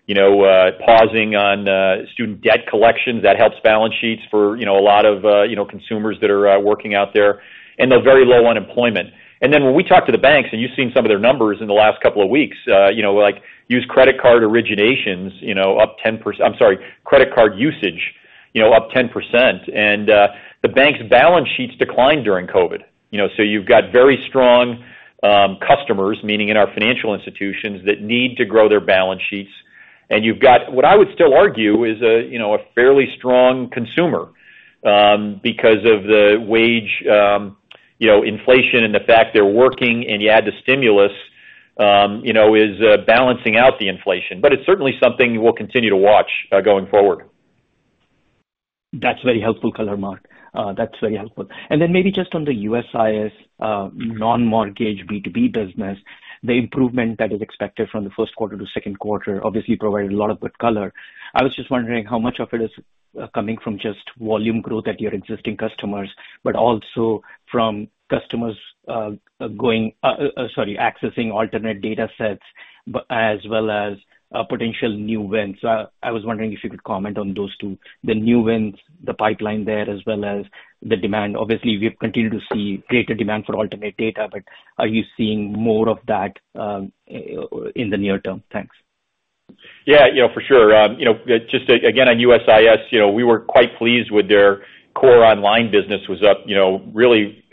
you know, pausing on student debt collections that helps balance sheets for, you know, a lot of, you know, consumers that are working out there. There's very low unemployment. Then when we talk to the banks, and you've seen some of their numbers in the last couple of weeks, you know, like credit card usage, you know, up 10%. The banks' balance sheets declined during COVID. You know, you've got very strong customers, meaning in our financial institutions, that need to grow their balance sheets. You've got what I would still argue is a you know a fairly strong consumer because of the wage you know inflation and the fact they're working, and you add the stimulus you know is balancing out the inflation. It's certainly something we'll continue to watch going forward. That's very helpful color, Mark. That's very helpful. Maybe just on the USIS non-mortgage B2B business, the improvement that is expected from the first quarter to second quarter obviously provided a lot of good color. I was just wondering how much of it is coming from just volume growth at your existing customers, but also from customers going, sorry, accessing alternative data sets as well as potential new wins. I was wondering if you could comment on those two, the new wins, the pipeline there, as well as the demand. Obviously, we've continued to see greater demand for alternative data, but are you seeing more of that in the near term? Thanks. Yeah, you know, for sure. On USIS, we were quite pleased with their core online business was up, you know, really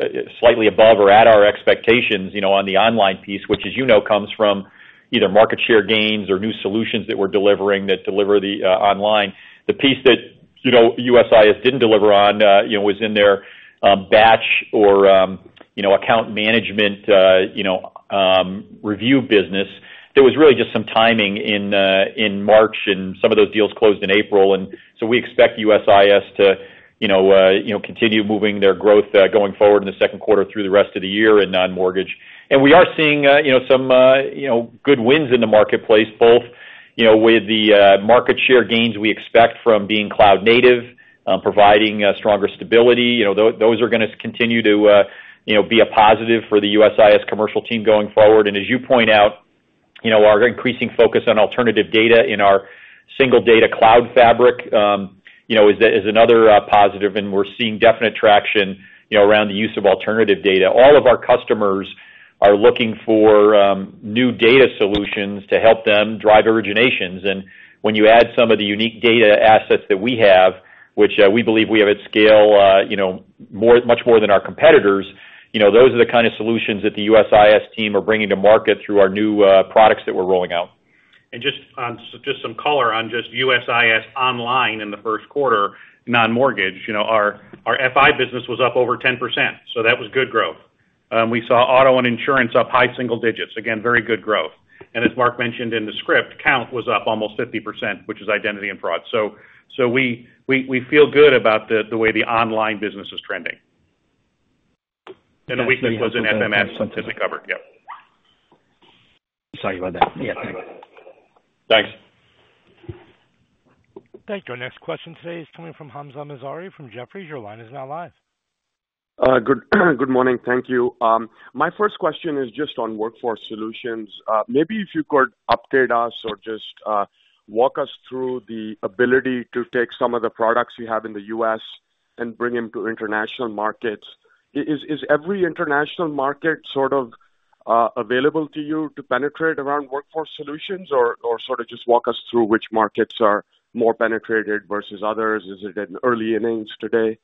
slightly above or at our expectations, you know, on the online piece, which as you know, comes from either market share gains or new solutions that we're delivering that deliver the online. The piece that USIS didn't deliver on was in their batch or account management review business. There was really just some timing in March, and some of those deals closed in April. We expect USIS to continue moving their growth going forward in the second quarter through the rest of the year in non-mortgage. We are seeing, you know, some, you know, good wins in the marketplace, both, you know, with the market share gains we expect from being cloud native, providing stronger stability. You know, those are gonna continue to, you know, be a positive for the USIS commercial team going forward. As you point out, you know, our increasing focus on alternative data in our single data fabric, you know, is another positive, and we're seeing definite traction, you know, around the use of alternative data. All of our customers are looking for new data solutions to help them drive originations. When you add some of the unique data assets that we have, which we believe we have at scale, you know, much more than our competitors, you know, those are the kind of solutions that the USIS team are bringing to market through our new products that we're rolling out. Just some color on just USIS online in the first quarter, non-mortgage. You know, our FI business was up over 10%, so that was good growth. We saw auto and insurance up high single digits. Again, very good growth. As Mark mentioned in the script, Kount was up almost 50%, which is identity and fraud. We feel good about the way the online business is trending. The weakness was in FMS, something to be covered. Yep. Sorry about that. Yeah. Thanks. Thanks. Thank you. Our next question today is coming from Hamzah Mazari from Jefferies. Your line is now live. Good morning. Thank you. My first question is just on Workforce Solutions. Maybe if you could update us or just walk us through the ability to take some of the products you have in the U.S. and bring them to international markets. Is every international market sort of available to you to penetrate around Workforce Solutions? Or sort of just walk us through which markets are more penetrated versus others. Is it in early innings today?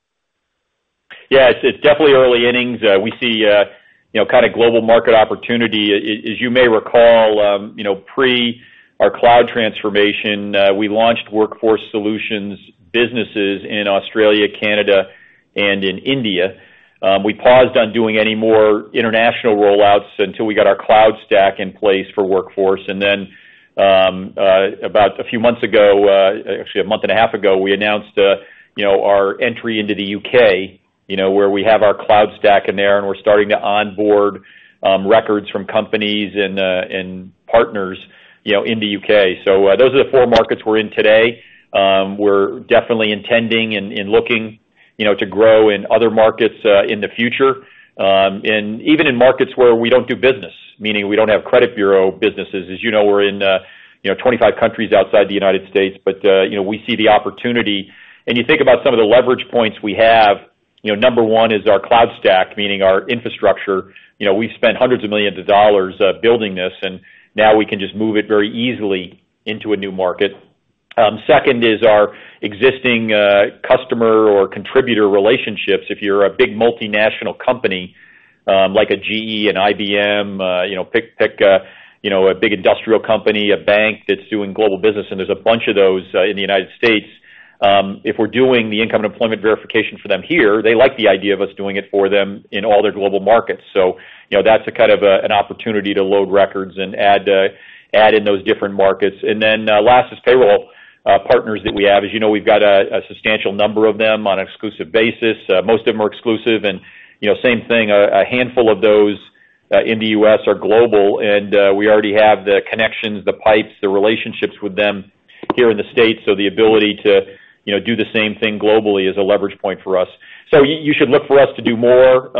Yeah. It's definitely early innings. We see you know kind of global market opportunity. As you may recall, you know pre our cloud transformation, we launched Workforce Solutions businesses in Australia, Canada, and in India. We paused on doing any more international rollouts until we got our cloud stack in place for Workforce. About a few months ago, actually a month and a half ago, we announced you know our entry into the U.K., you know where we have our cloud stack in there, and we're starting to onboard records from companies and partners, you know in the U.K. Those are the four markets we're in today. We're definitely intending and looking you know to grow in other markets in the future. Even in markets where we don't do business, meaning we don't have credit bureau businesses. As you know, we're in 25 countries outside the United States, but you know, we see the opportunity. You think about some of the leverage points we have, you know, number one is our cloud stack, meaning our infrastructure. You know, we've spent hundreds of millions of dollars building this, and now we can just move it very easily into a new market. Second is our existing customer or contributor relationships. If you're a big multinational company, like a GE, an IBM, you know, pick a big industrial company, a bank that's doing global business, and there's a bunch of those in the United States. If we're doing the income and employment verification for them here, they like the idea of us doing it for them in all their global markets. You know, that's a kind of an opportunity to load records and add in those different markets. Last is payroll partners that we have. As you know, we've got a substantial number of them on exclusive basis. Most of them are exclusive and, you know, same thing, a handful of those in the U.S. are global, and we already have the connections, the pipes, the relationships with them here in the States. So the ability to, you know, do the same thing globally is a leverage point for us. So you should look for us to do more.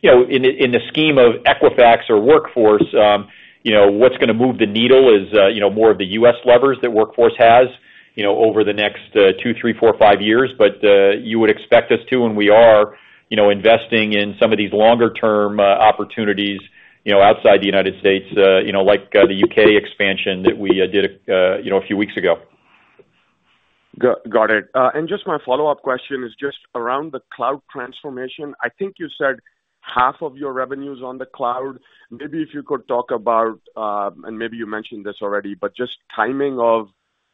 You know, in the scheme of Equifax or Workforce, you know, what's gonna move the needle is, you know, more of the U.S. levers that Workforce has, you know, over the next two, three, four, five years. But you would expect us to, and we are, you know, investing in some of these longer-term opportunities outside the United States, you know, like the U.K. expansion that we did, you know, a few weeks ago. Got it. Just my follow-up question is just around the cloud transformation. I think you said half of your revenue's on the cloud. Maybe if you could talk about, and maybe you mentioned this already, but just timing of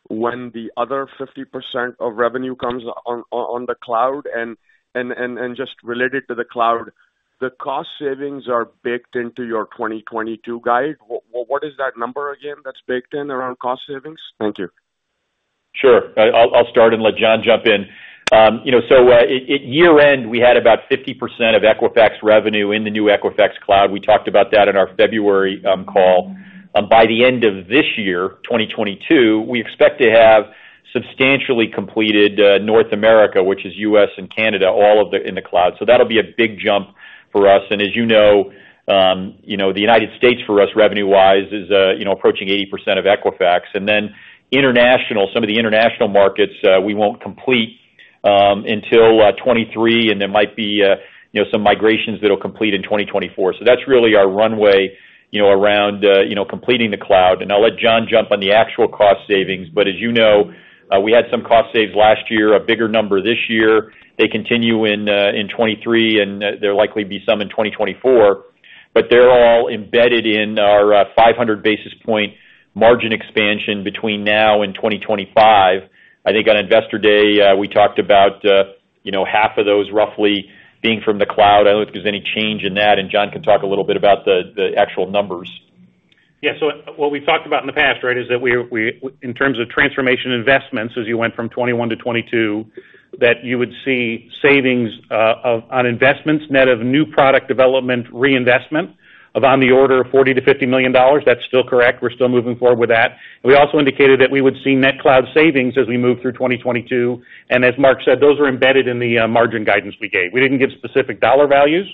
when the other 50% of revenue comes on the cloud. Just related to the cloud, the cost savings are baked into your 2022 guide. What is that number again that's baked in around cost savings? Thank you. Sure. I'll start and let John jump in. You know, at year-end, we had about 50% of Equifax revenue in the new Equifax Cloud. We talked about that in our February call. By the end of this year, 2022, we expect to have substantially completed North America, which is U.S. and Canada, all in the cloud. That'll be a big jump for us. As you know, the United States for us, revenue-wise, is approaching 80% of Equifax. Then international, some of the international markets, we won't complete until 2023, and there might be some migrations that'll complete in 2024. That's really our runway around completing the cloud. I'll let John jump on the actual cost savings. As you know, we had some cost saves last year, a bigger number this year. They continue in 2023 and there'll likely be some in 2024. They're all embedded in our 500 basis point margin expansion between now and 2025. I think on Investor Day, we talked about, you know, half of those roughly being from the cloud. I don't know if there's any change in that, and John can talk a little bit about the actual numbers. Yeah. What we talked about in the past, right, is that we're in terms of transformation investments, as you went from 2021 to 2022, that you would see savings on investments net of new product development reinvestment of on the order of $40 million-$50 million. That's still correct. We're still moving forward with that. We also indicated that we would see net cloud savings as we move through 2022. As Mark said, those are embedded in the margin guidance we gave. We didn't give specific dollar values,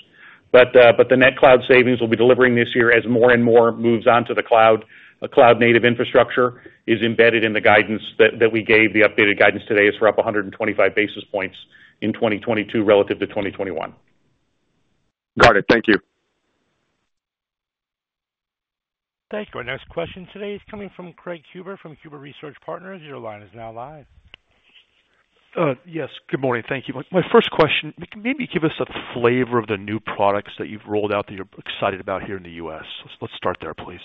but the net cloud savings will be delivering this year as more and more moves onto the cloud. The cloud native infrastructure is embedded in the guidance that we gave. The updated guidance today is for up 125 basis points in 2022 relative to 2021. Got it. Thank you. Thank you. Our next question today is coming from Craig Huber from Huber Research Partners. Your line is now live. Yes, good morning. Thank you. My first question, maybe give us a flavor of the new products that you've rolled out that you're excited about here in the U.S. Let's start there, please.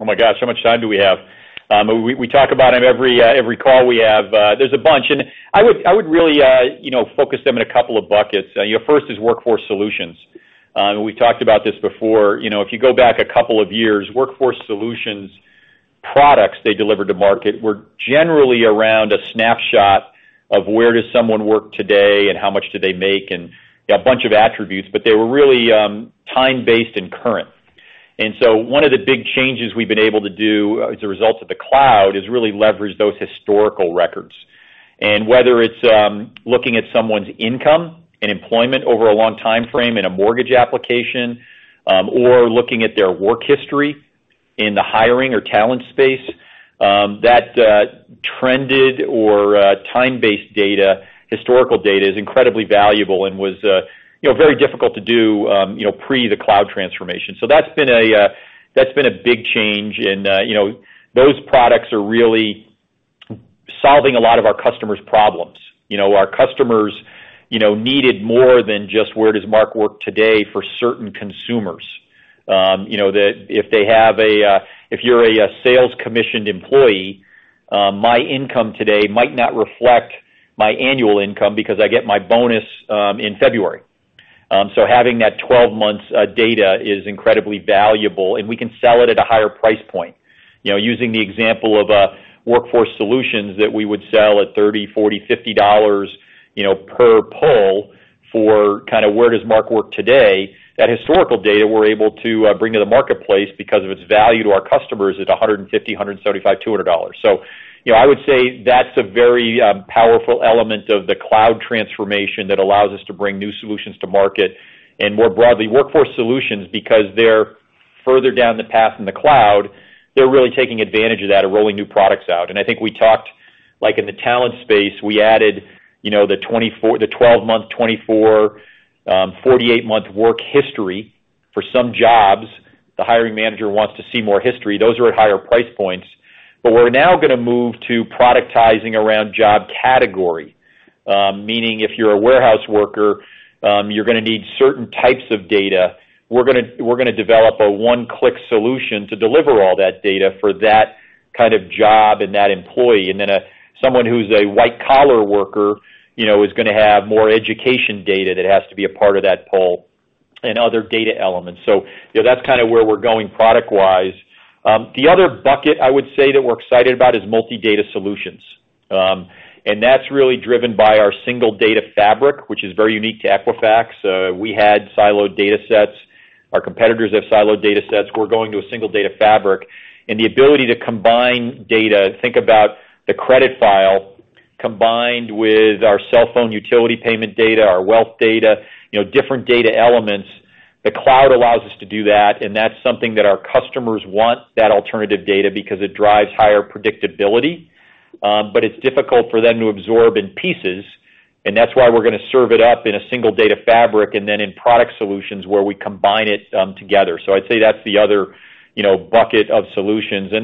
Oh my gosh, how much time do we have? We talk about them on every call we have. There's a bunch. I would really, you know, focus on them in a couple of buckets. You know, first is Workforce Solutions. We talked about this before. You know, if you go back a couple of years, Workforce Solutions products they delivered to market were generally around a snapshot of where does someone work today and how much do they make, and yeah, a bunch of attributes, but they were really time-based and current. One of the big changes we've been able to do as a result of the cloud is really leverage those historical records. Whether it's looking at someone's income and employment over a long timeframe in a mortgage application, or looking at their work history in the hiring or talent space, that trended or time-based data, historical data is incredibly valuable and was, you know, very difficult to do, you know, pre the cloud transformation. That's been a big change and, you know, those products are really solving a lot of our customers' problems. You know, our customers, you know, needed more than just where does Mark work today for certain consumers. If they have a if you're a sales commissioned employee, my income today might not reflect my annual income because I get my bonus in February. Having that 12 months' data is incredibly valuable, and we can sell it at a higher price point. You know, using the example of a Workforce Solutions that we would sell at $30, $40, $50, you know, per poll for kinda where does Mark work today, that historical data we're able to bring to the marketplace because of its value to our customers at $150, $175, $200. You know, I would say that's a very powerful element of the cloud transformation that allows us to bring new solutions to market. More broadly, Workforce Solutions because they're further down the path in the cloud, they're really taking advantage of that and rolling new products out. I think we talked, like in the talent space, we added, you know, the 12-month, 24-month, 48-month work history. For some jobs, the hiring manager wants to see more history. Those are at higher price points. But we're now gonna move to productizing around job category. Meaning if you're a warehouse worker, you're gonna need certain types of data. We're gonna develop a one-click solution to deliver all that data for that kind of job and that employee. Then someone who's a white-collar worker, you know, is gonna have more education data that has to be a part of that pool and other data elements. So, you know, that's kind of where we're going product-wise. The other bucket I would say that we're excited about is multi-data solutions. That's really driven by our single data fabric, which is very unique to Equifax. We had siloed datasets. Our competitors have siloed datasets. We're going to a single data fabric. The ability to combine data, think about the credit file combined with our cell phone utility payment data, our wealth data, you know, different data elements. The cloud allows us to do that, and that's something that our customers want, that alternative data, because it drives higher predictability. It's difficult for them to absorb in pieces, and that's why we're gonna serve it up in a single data fabric, and then in product solutions where we combine it together. I'd say that's the other, you know, bucket of solutions. You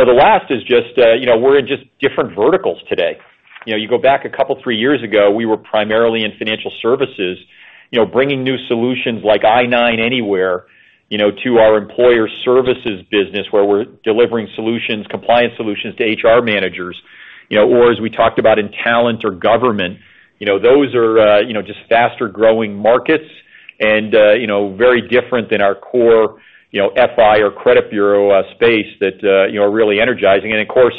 know, the last is just, you know, we're in just different verticals today. You know, you go back a couple, three years ago, we were primarily in financial services. You know, bringing new solutions like I-9 Anywhere, you know, to our employer services business, where we're delivering solutions, compliance solutions to HR managers. You know, or as we talked about in talent or government, you know, those are just faster-growing markets and, you know, very different than our core, you know, FI or credit bureau space that, you know, are really energizing. Of course,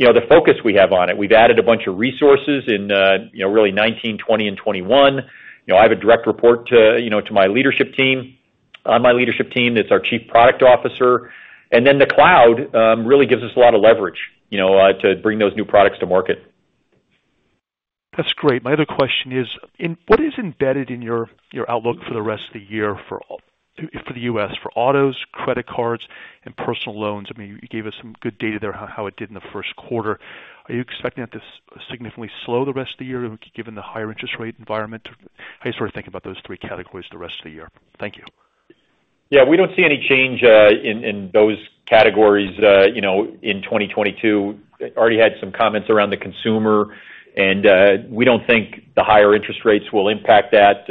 you know, the focus we have on it. We've added a bunch of resources in, you know, really 2019, 2020 and 2021. You know, I have a direct report to, you know, to my leadership team. On my leadership team, that's our Chief Product Officer. The cloud really gives us a lot of leverage, you know, to bring those new products to market. That's great. My other question is, what is embedded in your outlook for the rest of the year for the U.S., for autos, credit cards, and personal loans? I mean, you gave us some good data there, how it did in the first quarter. Are you expecting that to significantly slow the rest of the year, given the higher interest rate environment? How do you sort of think about those three categories the rest of the year? Thank you. Yeah, we don't see any change in those categories, you know, in 2022. Already had some comments around the consumer, and we don't think the higher interest rates will impact that,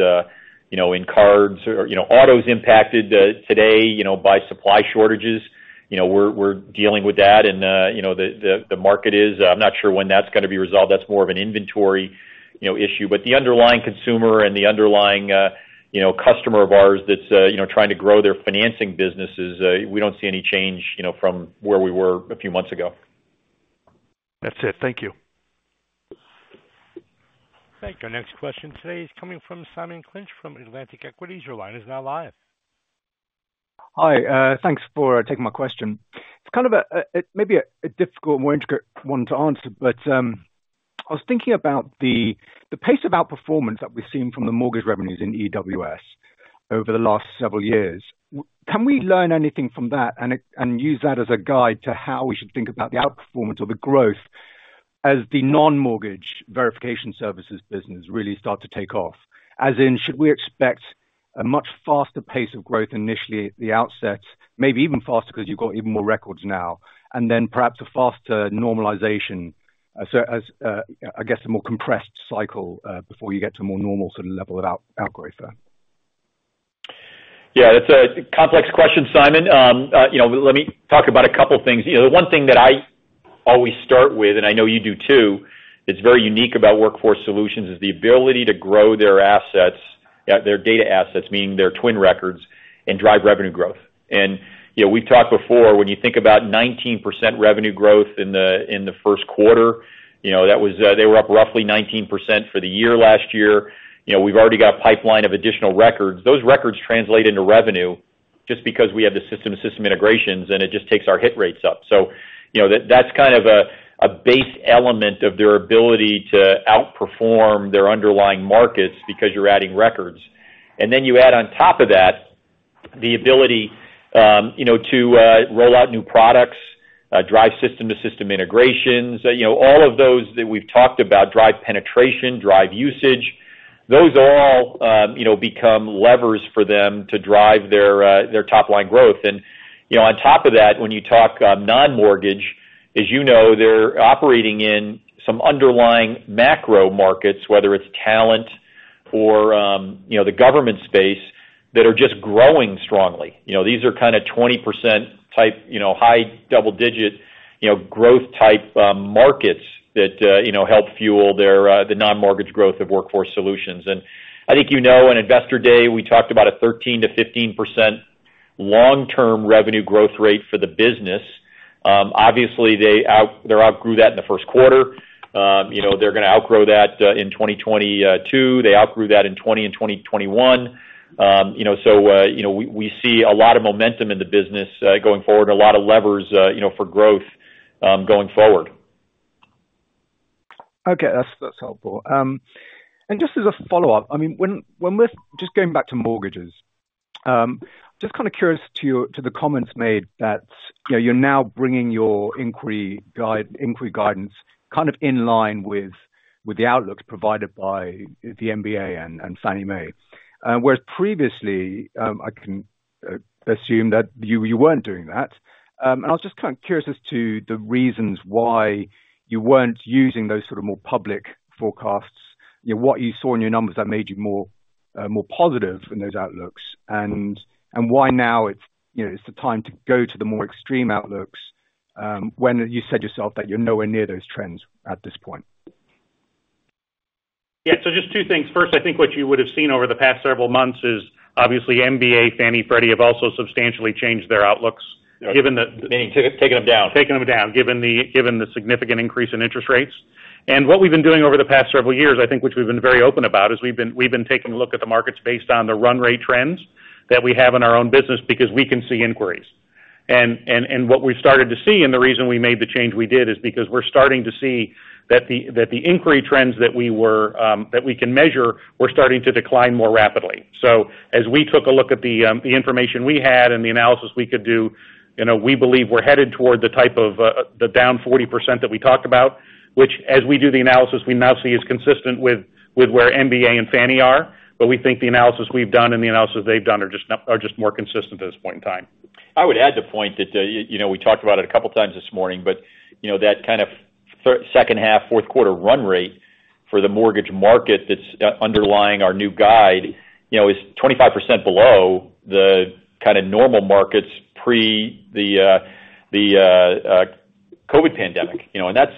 you know, in cards or, you know, auto's impacted today, you know, by supply shortages. You know, we're dealing with that and, you know, the market is. I'm not sure when that's gonna be resolved. That's more of an inventory, you know, issue. But the underlying consumer and the underlying, you know, customer of ours that's, you know, trying to grow their financing businesses, we don't see any change, you know, from where we were a few months ago. That's it. Thank you. Thank you. Next question today is coming from Simon Clinch from Atlantic Equities. Your line is now live. Hi, thanks for taking my question. It's kind of a maybe a difficult, more intricate one to answer, but I was thinking about the pace of outperformance that we've seen from the mortgage revenues in EWS over the last several years. Can we learn anything from that and use that as a guide to how we should think about the outperformance or the growth as the non-mortgage verification services business really start to take off? As in, should we expect a much faster pace of growth initially at the outset, maybe even faster because you've got even more records now, and then perhaps a faster normalization, so as I guess a more compressed cycle before you get to a more normal sort of level of outgrowth there? Yeah, that's a complex question, Simon. You know, let me talk about a couple things. You know, the one thing that I always start with, and I know you do too, that's very unique about Workforce Solutions is the ability to grow their assets, their data assets, meaning their TWN records, and drive revenue growth. You know, we've talked before, when you think about 19% revenue growth in the first quarter, you know, that was, they were up roughly 19% for the year last year. You know, we've already got a pipeline of additional records. Those records translate into revenue just because we have the system integrations and it just takes our hit rates up. You know, that's kind of a base element of their ability to outperform their underlying markets because you're adding records. Then you add on top of that, the ability, you know, to roll out new products, drive system-to-system integrations. You know, all of those that we've talked about, drive penetration, drive usage, those all, you know, become levers for them to drive their top line growth. You know, on top of that, when you talk non-mortgage, as you know, they're operating in some underlying macro markets, whether it's talent or, you know, the government space that are just growing strongly. You know, these are kinda 20% type, you know, high double-digit, you know, growth type markets that, you know, help fuel the non-mortgage growth of Workforce Solutions. I think, you know, in Investor Day, we talked about a 13%-15% long-term revenue growth rate for the business. Obviously they outgrew that in the first quarter. You know, they're gonna outgrow that in 2022. They outgrew that in 2020 and 2021. You know, so, you know, we see a lot of momentum in the business going forward and a lot of levers, you know, for growth going forward. Okay. That's helpful. Just as a follow-up, I mean, we're just going back to mortgages. Just kind of curious as to the comments made that, you know, you're now bringing your inquiry guidance kind of in line with the outlook provided by the MBA and Fannie Mae. Whereas previously, I can assume that you weren't doing that. I was just kind of curious as to the reasons why you weren't using those sort of more public forecasts. You know, what you saw in your numbers that made you more positive in those outlooks, and why now it's the time to go to the more extreme outlooks, when you said yourself that you're nowhere near those trends at this point? Yeah. Just two things. First, I think what you would have seen over the past several months is obviously MBA, Fannie, Freddie have also substantially changed their outlooks, given the- Meaning taken them down. Taking them down, given the significant increase in interest rates. What we've been doing over the past several years, I think, which we've been very open about, is we've been taking a look at the markets based on the run rate trends that we have in our own business because we can see inquiries. What we've started to see and the reason we made the change we did is because we're starting to see that the inquiry trends that we can measure were starting to decline more rapidly. As we took a look at the information we had and the analysis we could do, you know, we believe we're headed toward the type of down 40% that we talked about, which as we do the analysis, we now see is consistent with where MBA and Fannie are. We think the analysis we've done and the analysis they've done are just more consistent at this point in time. I would add the point that, you know, we talked about it a couple of times this morning, but you know, that kind of second half, fourth quarter run rate for the mortgage market that's underlying our new guide, you know, is 25% below the kind of normal markets pre the COVID pandemic. You know, that's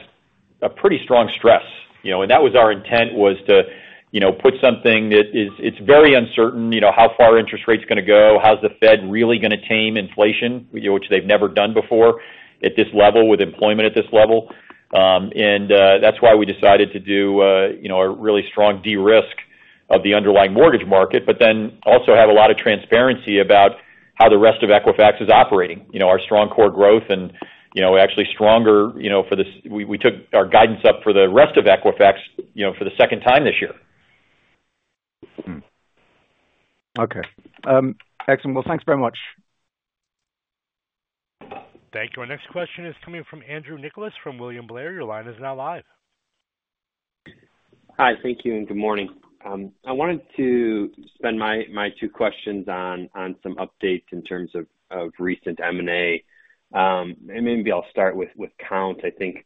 a pretty strong stress. You know, that was our intent was to, you know, put something that is. It's very uncertain, you know, how far interest rates gonna go, how's the Fed really gonna tame inflation, you know, which they've never done before at this level with employment at this level. That's why we decided to do, you know, a really strong de-risk of the underlying mortgage market, but then also have a lot of transparency about how the rest of Equifax is operating. You know, our strong core growth and, you know, actually stronger, you know, for this. We took our guidance up for the rest of Equifax, you know, for the second time this year. Okay. Excellent. Well, thanks very much. Thank you. Our next question is coming from Andrew Nicholas from William Blair. Your line is now live. Hi, thank you, and good morning. I wanted to spend my two questions on some updates in terms of recent M&A. Maybe I'll start with Kount. I think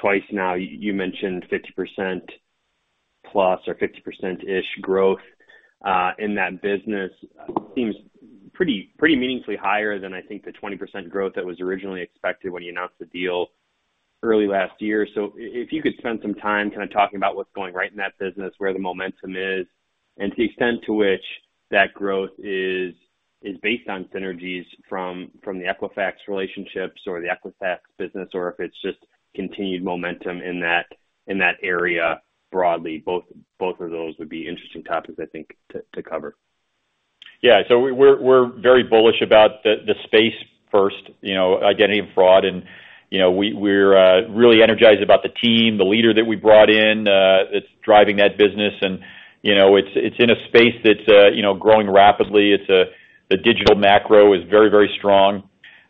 twice now you mentioned 50% plus or 50%-ish growth in that business. Seems pretty meaningfully higher than, I think, the 20% growth that was originally expected when you announced the deal early last year. If you could spend some time kind of talking about what's going right in that business, where the momentum is, and the extent to which that growth is based on synergies from the Equifax relationships or the Equifax business, or if it's just continued momentum in that area broadly. Both of those would be interesting topics, I think, to cover. We're very bullish about the space, first, you know, identity and fraud. You know, we're really energized about the team, the leader that we brought in that's driving that business. You know, it's in a space that's you know growing rapidly. The digital macro is very, very strong.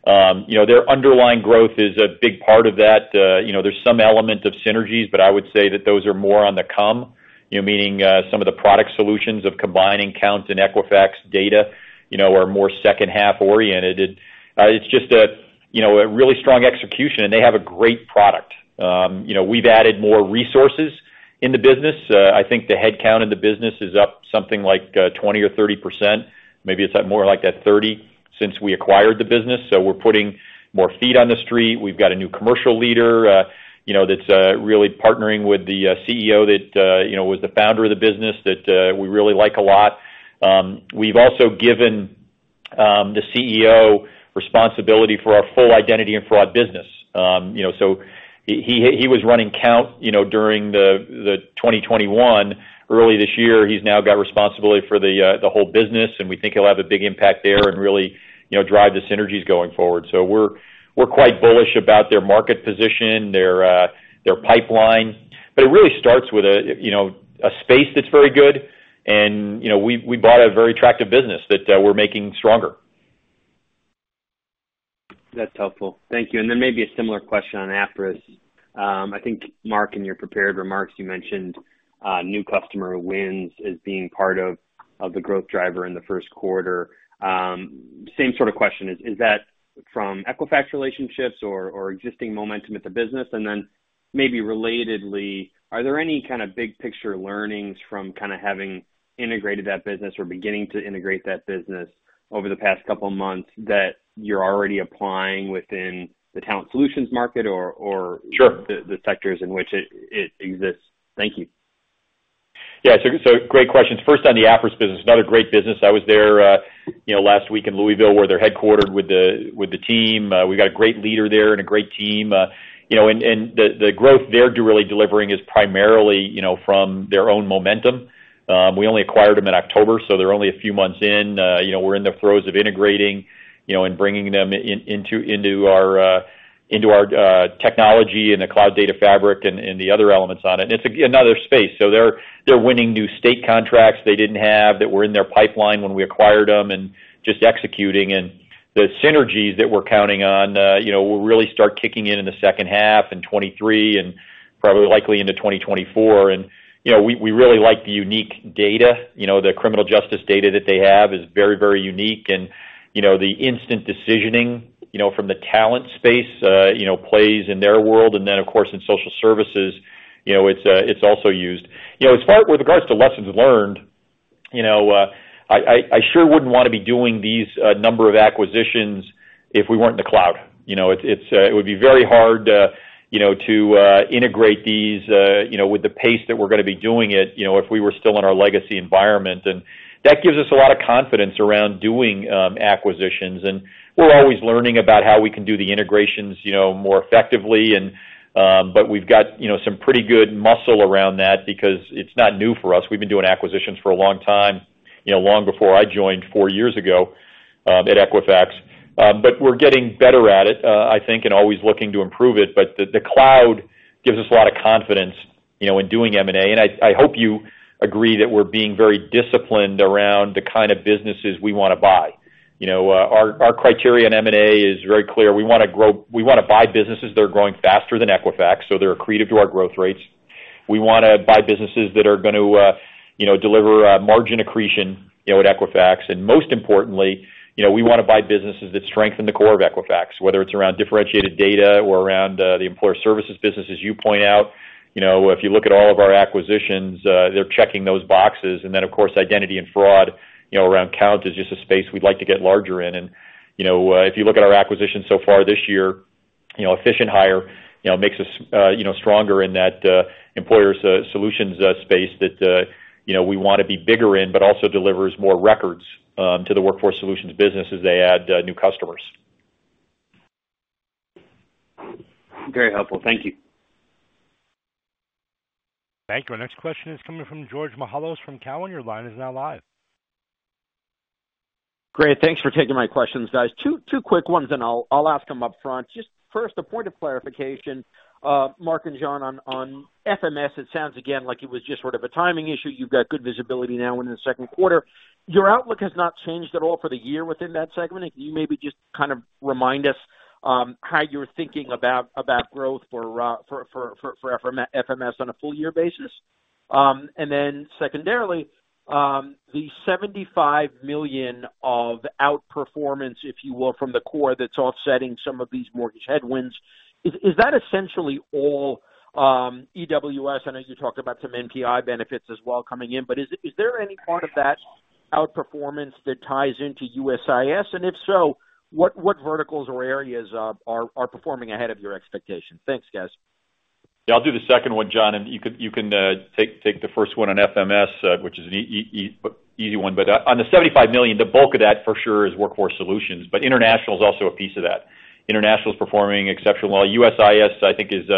You know, their underlying growth is a big part of that. You know, there's some element of synergies, but I would say that those are more on the come, you know, meaning some of the product solutions of combining Kount and Equifax data, you know, are more second-half oriented. It's just a really strong execution, and they have a great product. You know, we've added more resources in the business. I think the headcount in the business is up something like 20%-30%. Maybe it's at more like that 30 since we acquired the business. We're putting more feet on the street. We've got a new commercial leader, you know, that's really partnering with the CEO that, you know, was the founder of the business that we really like a lot. We've also given the CEO responsibility for our full identity and fraud business. You know, he was running Kount, you know, during 2021. Early this year, he's now got responsibility for the whole business, and we think he'll have a big impact there and really, you know, drive the synergies going forward. We're quite bullish about their market position, their pipeline. It really starts with a, you know, a space that's very good. You know, we bought a very attractive business that we're making stronger. That's helpful. Thank you. Then maybe a similar question on Appriss. I think, Mark, in your prepared remarks, you mentioned new customer wins as being part of the growth driver in the first quarter. Same sort of question. Is that from Equifax relationships or existing momentum at the business? Then maybe relatedly, are there any kind of big picture learnings from kind of having integrated that business or beginning to integrate that business over the past couple of months that you're already applying within the Talent Solutions market or Sure. the sectors in which it exists? Thank you. Yeah. Great questions. First on the Appriss business. Another great business. I was there, you know, last week in Louisville, where they're headquartered with the team. We've got a great leader there and a great team. You know, and the growth they're really delivering is primarily, you know, from their own momentum. We only acquired them in October, so they're only a few months in. You know, we're in the throes of integrating, you know, and bringing them into our technology and the cloud data fabric and the other elements on it. It's another space. They're winning new state contracts they didn't have that were in their pipeline when we acquired them and just executing. The synergies that we're counting on, you know, will really start kicking in in the second half in 2023 and probably likely into 2024. You know, we really like the unique data. You know, the criminal justice data that they have is very, very unique and you know, the instant decisioning, you know, from the talent space, you know, plays in their world. Then, of course, in social services, you know, it's also used. You know, as far with regards to lessons learned, you know, I sure wouldn't wanna be doing this number of acquisitions if we weren't in the cloud. You know, it would be very hard, you know, to integrate these, you know, with the pace that we're gonna be doing it, you know, if we were still in our legacy environment. That gives us a lot of confidence around doing acquisitions. We're always learning about how we can do the integrations, you know, more effectively and, but we've got, you know, some pretty good muscle around that because it's not new for us. We've been doing acquisitions for a long time, you know, long before I joined four years ago at Equifax. But we're getting better at it, I think, and always looking to improve it. The cloud gives us a lot of confidence, you know, in doing M&A. I hope you agree that we're being very disciplined around the kind of businesses we wanna buy. You know, our criteria in M&A is very clear. We wanna buy businesses that are growing faster than Equifax, so they're accretive to our growth rates. We wanna buy businesses that are gonna, you know, deliver margin accretion, you know, at Equifax. Most importantly, you know, we wanna buy businesses that strengthen the core of Equifax, whether it's around differentiated data or around the employer services business, as you point out. You know, if you look at all of our acquisitions, they're checking those boxes. Then, of course, identity and fraud, you know, around Kount is just a space we'd like to get larger in. You know, if you look at our acquisitions so far this year, you know, Efficient Hire, you know, makes us, you know, stronger in that employers solutions space that, you know, we wanna be bigger in, but also delivers more records to the Workforce Solutions business as they add new customers. Very helpful. Thank you. Thank you. Our next question is coming from George Mihalos from Cowen. Your line is now live. Great. Thanks for taking my questions, guys. Two quick ones, and I'll ask them upfront. Just first, a point of clarification, Mark and John, on FMS. It sounds again like it was just sort of a timing issue. You've got good visibility now in the second quarter. Your outlook has not changed at all for the year within that segment. Can you maybe just kind of remind us how you're thinking about growth for FMS on a full year basis? Then secondarily, the $75 million of outperformance, if you will, from the core that's offsetting some of these mortgage headwinds, is that essentially all EWS? I know you talked about some NPI benefits as well coming in. But is there any part of that outperformance that ties into USIS? If so, what verticals or areas are performing ahead of your expectations? Thanks, guys. Yeah, I'll do the second one, John, and you can take the first one on FMS, which is an easy one. On the $75 million, the bulk of that for sure is Workforce Solutions, but International is also a piece of that. International is performing exceptionally well. USIS, I think is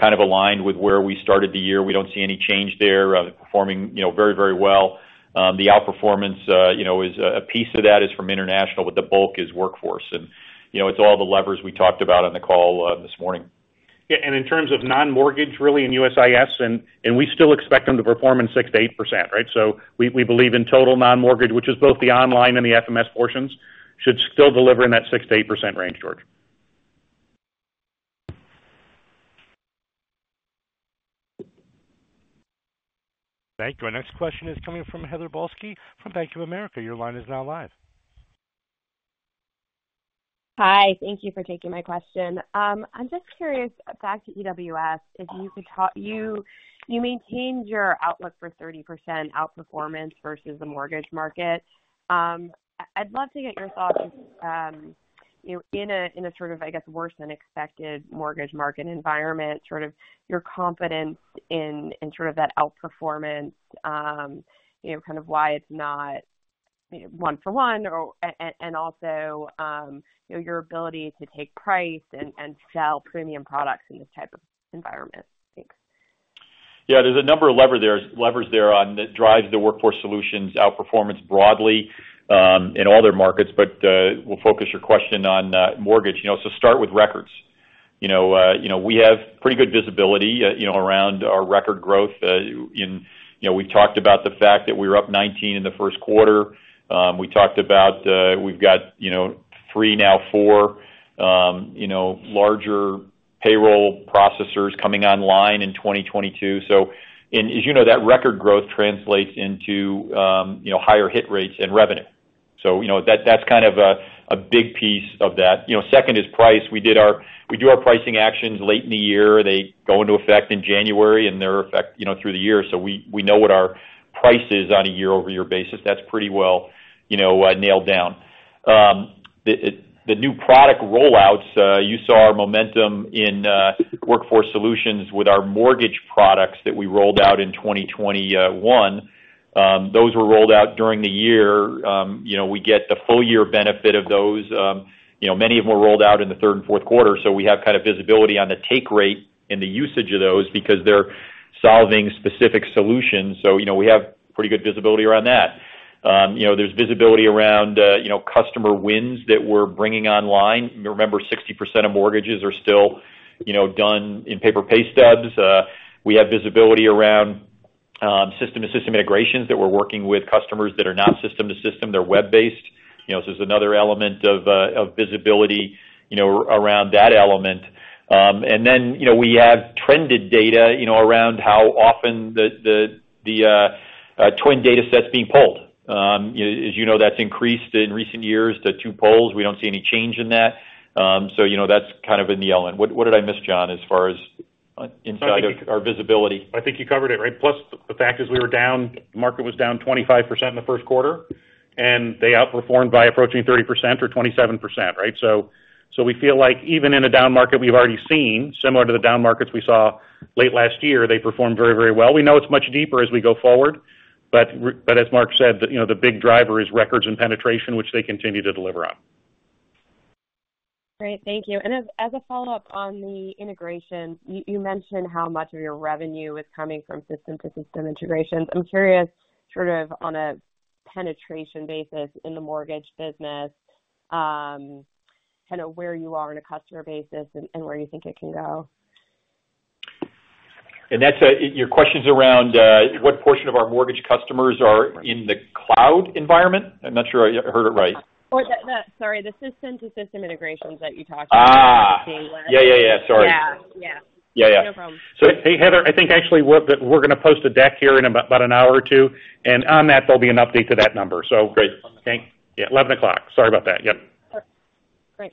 kind of aligned with where we started the year. We don't see any change there. Performing very well. The outperformance is a piece of that from International, but the bulk is Workforce. It's all the levers we talked about on the call this morning. Yeah, in terms of non-mortgage, really in USIS, and we still expect them to perform in 6%-8%, right? We believe in total non-mortgage, which is both the online and the FMS portions, should still deliver in that 6%-8% range, George. Thank you. Our next question is coming from Heather Balsky from Bank of America. Your line is now live. Hi. Thank you for taking my question. I'm just curious, back to EWS. You maintained your outlook for 30% outperformance versus the mortgage market. I'd love to get your thoughts, you know, in a sort of, I guess, worse than expected mortgage market environment, sort of your confidence in sort of that outperformance, you know, kind of why it's not one for one or also, you know, your ability to take price and sell premium products in this type of environment. Thanks. Yeah. There's a number of levers there that drives the Workforce Solutions outperformance broadly in all their markets, but we'll focus your question on mortgage. You know, start with records. You know, we have pretty good visibility around our record growth in. You know, we talked about the fact that we were up 19% in the first quarter. We talked about we've got you know three, now four, you know larger payroll processors coming online in 2022. And as you know, that record growth translates into higher hit rates and revenue. You know, that's kind of a big piece of that. You know, second is price. We do our pricing actions late in the year. They go into effect in January and they're effective, you know, through the year. We know what our price is on a year-over-year basis. That's pretty well, you know, nailed down. The new product rollouts, you saw our momentum in Workforce Solutions with our mortgage products that we rolled out in 2021. Those were rolled out during the year. You know, we get the full year benefit of those. You know, many of them were rolled out in the third and fourth quarter, so we have kind of visibility on the take rate and the usage of those because they're solving specific solutions. You know, we have pretty good visibility around that. You know, there's visibility around, you know, customer wins that we're bringing online. Remember, 60% of mortgages are still done in paper pay stubs. We have visibility around system-to-system integrations that we're working with customers that are not system to system, they're web-based. It's another element of visibility around that element. We have trended data around how often the TWN dataset is being pulled. As you know, that's increased in recent years to two pulls. We don't see any change in that. That's kind of in the element. What did I miss, John, as far as inside of our visibility? I think you covered it, right? The fact is we were down, market was down 25% in the first quarter, and they outperformed by approaching 30% or 27%, right? We feel like even in a down market, we've already seen similar to the down markets we saw late last year, they performed very, very well. We know it's much deeper as we go forward, but as Mark said, you know, the big driver is records and penetration, which they continue to deliver on. Great. Thank you. As a follow-up on the integration, you mentioned how much of your revenue is coming from system to system integrations. I'm curious, sort of on a penetration basis in the mortgage business, kinda where you are in a customer basis and where you think it can go. That's your question's around what portion of our mortgage customers are in the cloud environment? I'm not sure I heard it right. the system to system integrations that you talked about- Ah. -earlier. Yeah. Sorry. Yeah. Yeah. Yeah, yeah. No problem. Hey, Heather, I think actually we're gonna post a deck here in about an hour or two, and on that, there'll be an update to that number. Great. Okay. Yeah, 11:00 A.M. Sorry about that. Yep. All right. Great.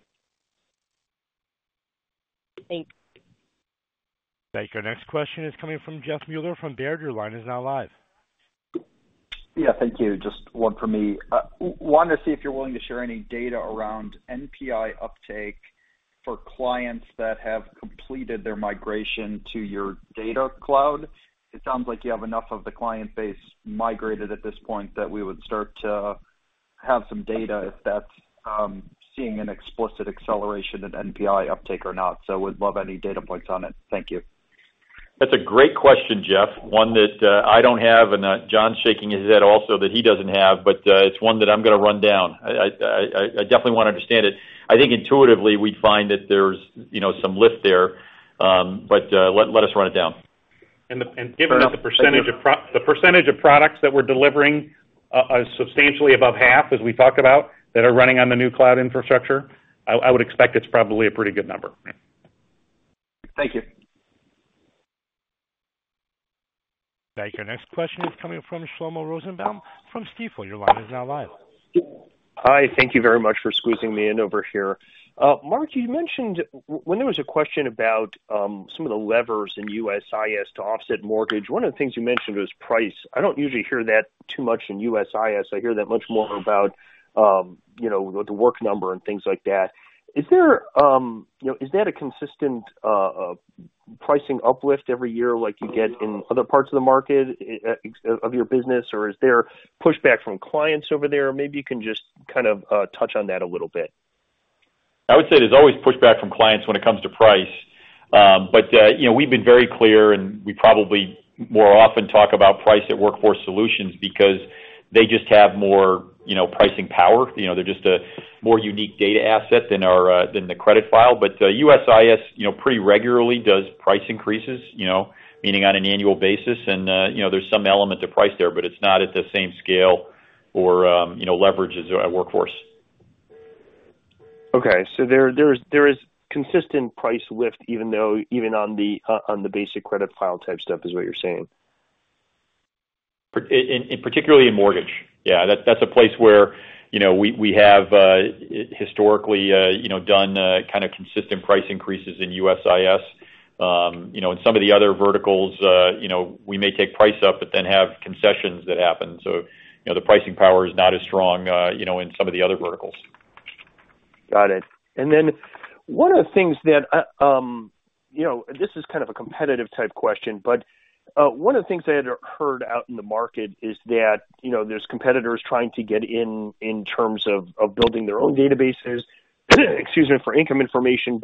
Thanks. Thank you. Our next question is coming from Jeffrey Meuler from Baird. Your line is now live. Yeah, thank you. Just one for me. Wanted to see if you're willing to share any data around NPI uptake for clients that have completed their migration to your data cloud. It sounds like you have enough of the client base migrated at this point that we would start to have some data if that's seeing an explicit acceleration in NPI uptake or not. Would love any data points on it. Thank you. That's a great question, Jeff. One that I don't have, and John's shaking his head also that he doesn't have, but it's one that I'm gonna run down. I definitely wanna understand it. I think intuitively we'd find that there's, you know, some lift there, but let us run it down. Given the percentage of products that we're delivering, substantially above half, as we talk about, that are running on the new cloud infrastructure, I would expect it's probably a pretty good number. Thank you. Thank you. Our next question is coming from Shlomo Rosenbaum from Stifel. Your line is now live. Hi. Thank you very much for squeezing me in over here. Mark, you mentioned when there was a question about some of the levers in USIS to offset mortgage, one of the things you mentioned was price. I don't usually hear that too much in USIS. I hear that much more about, you know, The Work Number and things like that. Is there, you know, is that a consistent pricing uplift every year like you get in other parts of the market of your business, or is there pushback from clients over there? Maybe you can just kind of touch on that a little bit. I would say there's always pushback from clients when it comes to price. You know, we've been very clear, and we probably more often talk about price at Workforce Solutions because they just have more, you know, pricing power. You know, they're just a more unique data asset than the credit file. USIS pretty regularly does price increases, you know, meaning on an annual basis. You know, there's some element of price there, but it's not at the same scale or, you know, leverage as at Workforce. Okay. There is consistent price lift even though, even on the basic credit file type stuff is what you're saying. In particular, in mortgage. Yeah. That's a place where, you know, we have historically, you know, done kind of consistent price increases in USIS. You know, in some of the other verticals, you know, we may take price up but then have concessions that happen. You know, the pricing power is not as strong, you know, in some of the other verticals. Got it. One of the things that, you know, this is kind of a competitive type question, but, one of the things I had heard out in the market is that, you know, there's competitors trying to get in in terms of building their own databases, excuse me, for income information.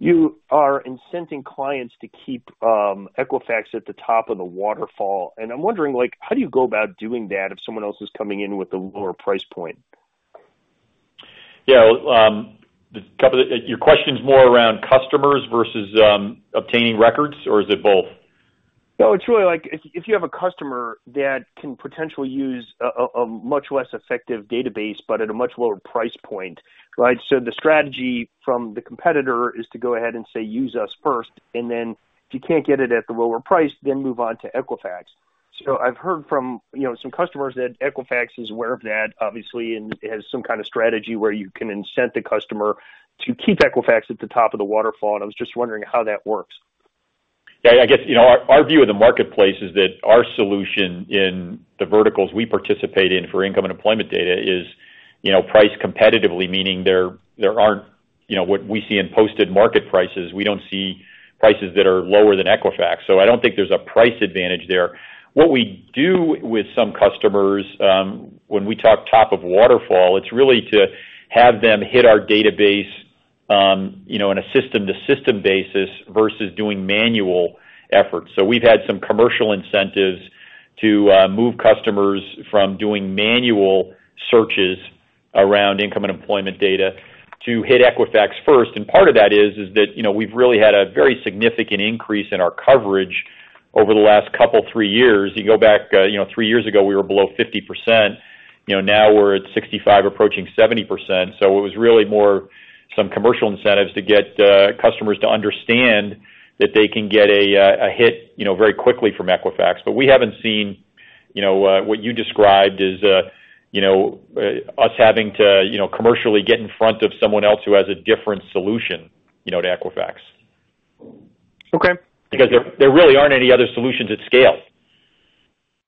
You are incenting clients to keep Equifax at the top of the waterfall. I'm wondering, like, how do you go about doing that if someone else is coming in with a lower price point? Yeah, your question's more around customers versus obtaining records, or is it both? No, it's really like if you have a customer that can potentially use a much less effective database but at a much lower price point, right? So the strategy from the competitor is to go ahead and say, "Use us first," and then if you can't get it at the lower price, then move on to Equifax. So I've heard from, you know, some customers that Equifax is aware of that obviously and has some kind of strategy where you can incent the customer to keep Equifax at the top of the waterfall, and I was just wondering how that works. Yeah, I guess, you know, our view of the marketplace is that our solution in the verticals we participate in for income and employment data is, you know, priced competitively, meaning there aren't, you know, what we see in posted market prices. We don't see prices that are lower than Equifax. So I don't think there's a price advantage there. What we do with some customers, when we talk top of waterfall, it's really to have them hit our database, you know, in a system to system basis versus doing manual efforts. So we've had some commercial incentives to move customers from doing manual searches around income and employment data to hit Equifax first. Part of that is that, you know, we've really had a very significant increase in our coverage. Over the last couple, three years. You go back, you know, three years ago, we were below 50%. You know, now we're at 65%, approaching 70%. It was really more some commercial incentives to get customers to understand that they can get a hit, you know, very quickly from Equifax. We haven't seen, you know, what you described as, you know, us having to, you know, commercially get in front of someone else who has a different solution, you know, to Equifax. Okay. Because there really aren't any other solutions at scale.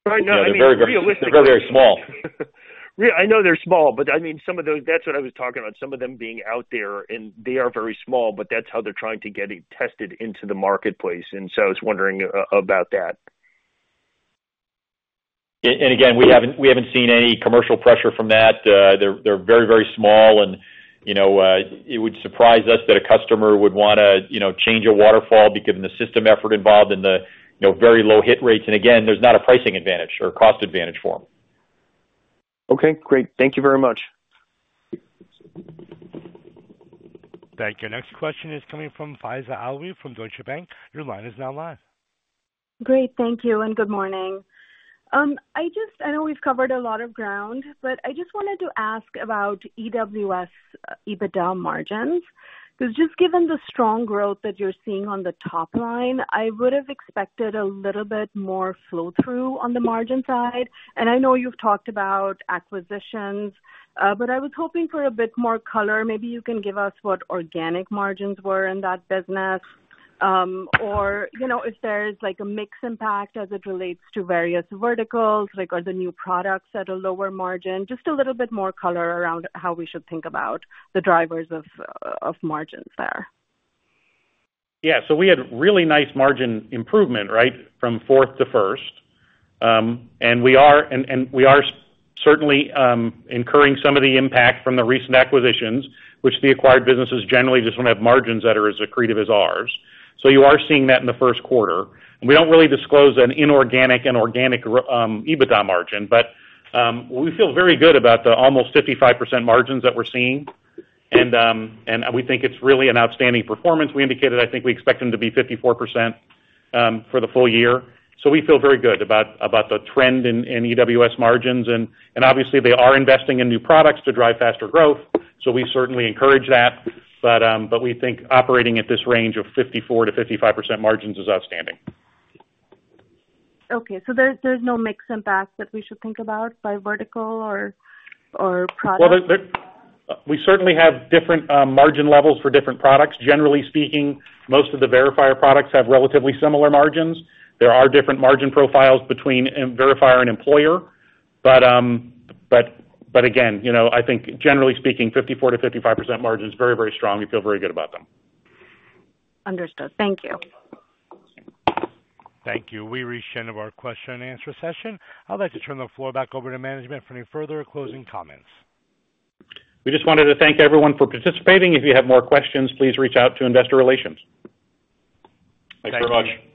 Right. No, I mean, realistically. They're very, very small. I know they're small, but I mean, some of those. That's what I was talking about, some of them being out there, and they are very small, but that's how they're trying to get it tested into the marketplace. I was wondering about that. Again, we haven't seen any commercial pressure from that. They're very small and, you know, it would surprise us that a customer would wanna, you know, change a waterfall given the system effort involved and the, you know, very low hit rates. Again, there's not a pricing advantage or cost advantage for them. Okay, great. Thank you very much. Thank you. Next question is coming from Faiza Alwy from Deutsche Bank. Your line is now live. Great. Thank you. Good morning. I know we've covered a lot of ground, but I just wanted to ask about EWS EBITDA margins, because just given the strong growth that you're seeing on the top line, I would have expected a little bit more flow through on the margin side. I know you've talked about acquisitions, but I was hoping for a bit more color. Maybe you can give us what organic margins were in that business. Or, you know, if there's like a mix impact as it relates to various verticals, like are the new products at a lower margin? Just a little bit more color around how we should think about the drivers of margins there. Yeah. We had really nice margin improvement, right? From fourth to first. We are certainly incurring some of the impact from the recent acquisitions, which the acquired businesses generally just don't have margins that are as accretive as ours. You are seeing that in the first quarter. We don't really disclose an inorganic and organic EBITDA margin. We feel very good about the almost 55% margins that we're seeing. We think it's really an outstanding performance. We indicated, I think we expect them to be 54% for the full year. We feel very good about the trend in EWS margins. Obviously they are investing in new products to drive faster growth. We certainly encourage that. We think operating at this range of 54%-55% margins is outstanding. Okay. There's no mix and match that we should think about by vertical or product? We certainly have different margin levels for different products. Generally speaking, most of the verifier products have relatively similar margins. There are different margin profiles between verifier and employer. Again, you know, I think generally speaking, 54%-55% margin is very, very strong. We feel very good about them. Understood. Thank you. Thank you. We've reached the end of our question and answer session. I'd like to turn the floor back over to management for any further closing comments. We just wanted to thank everyone for participating. If you have more questions, please reach out to investor relations. Thank you. Thanks very much.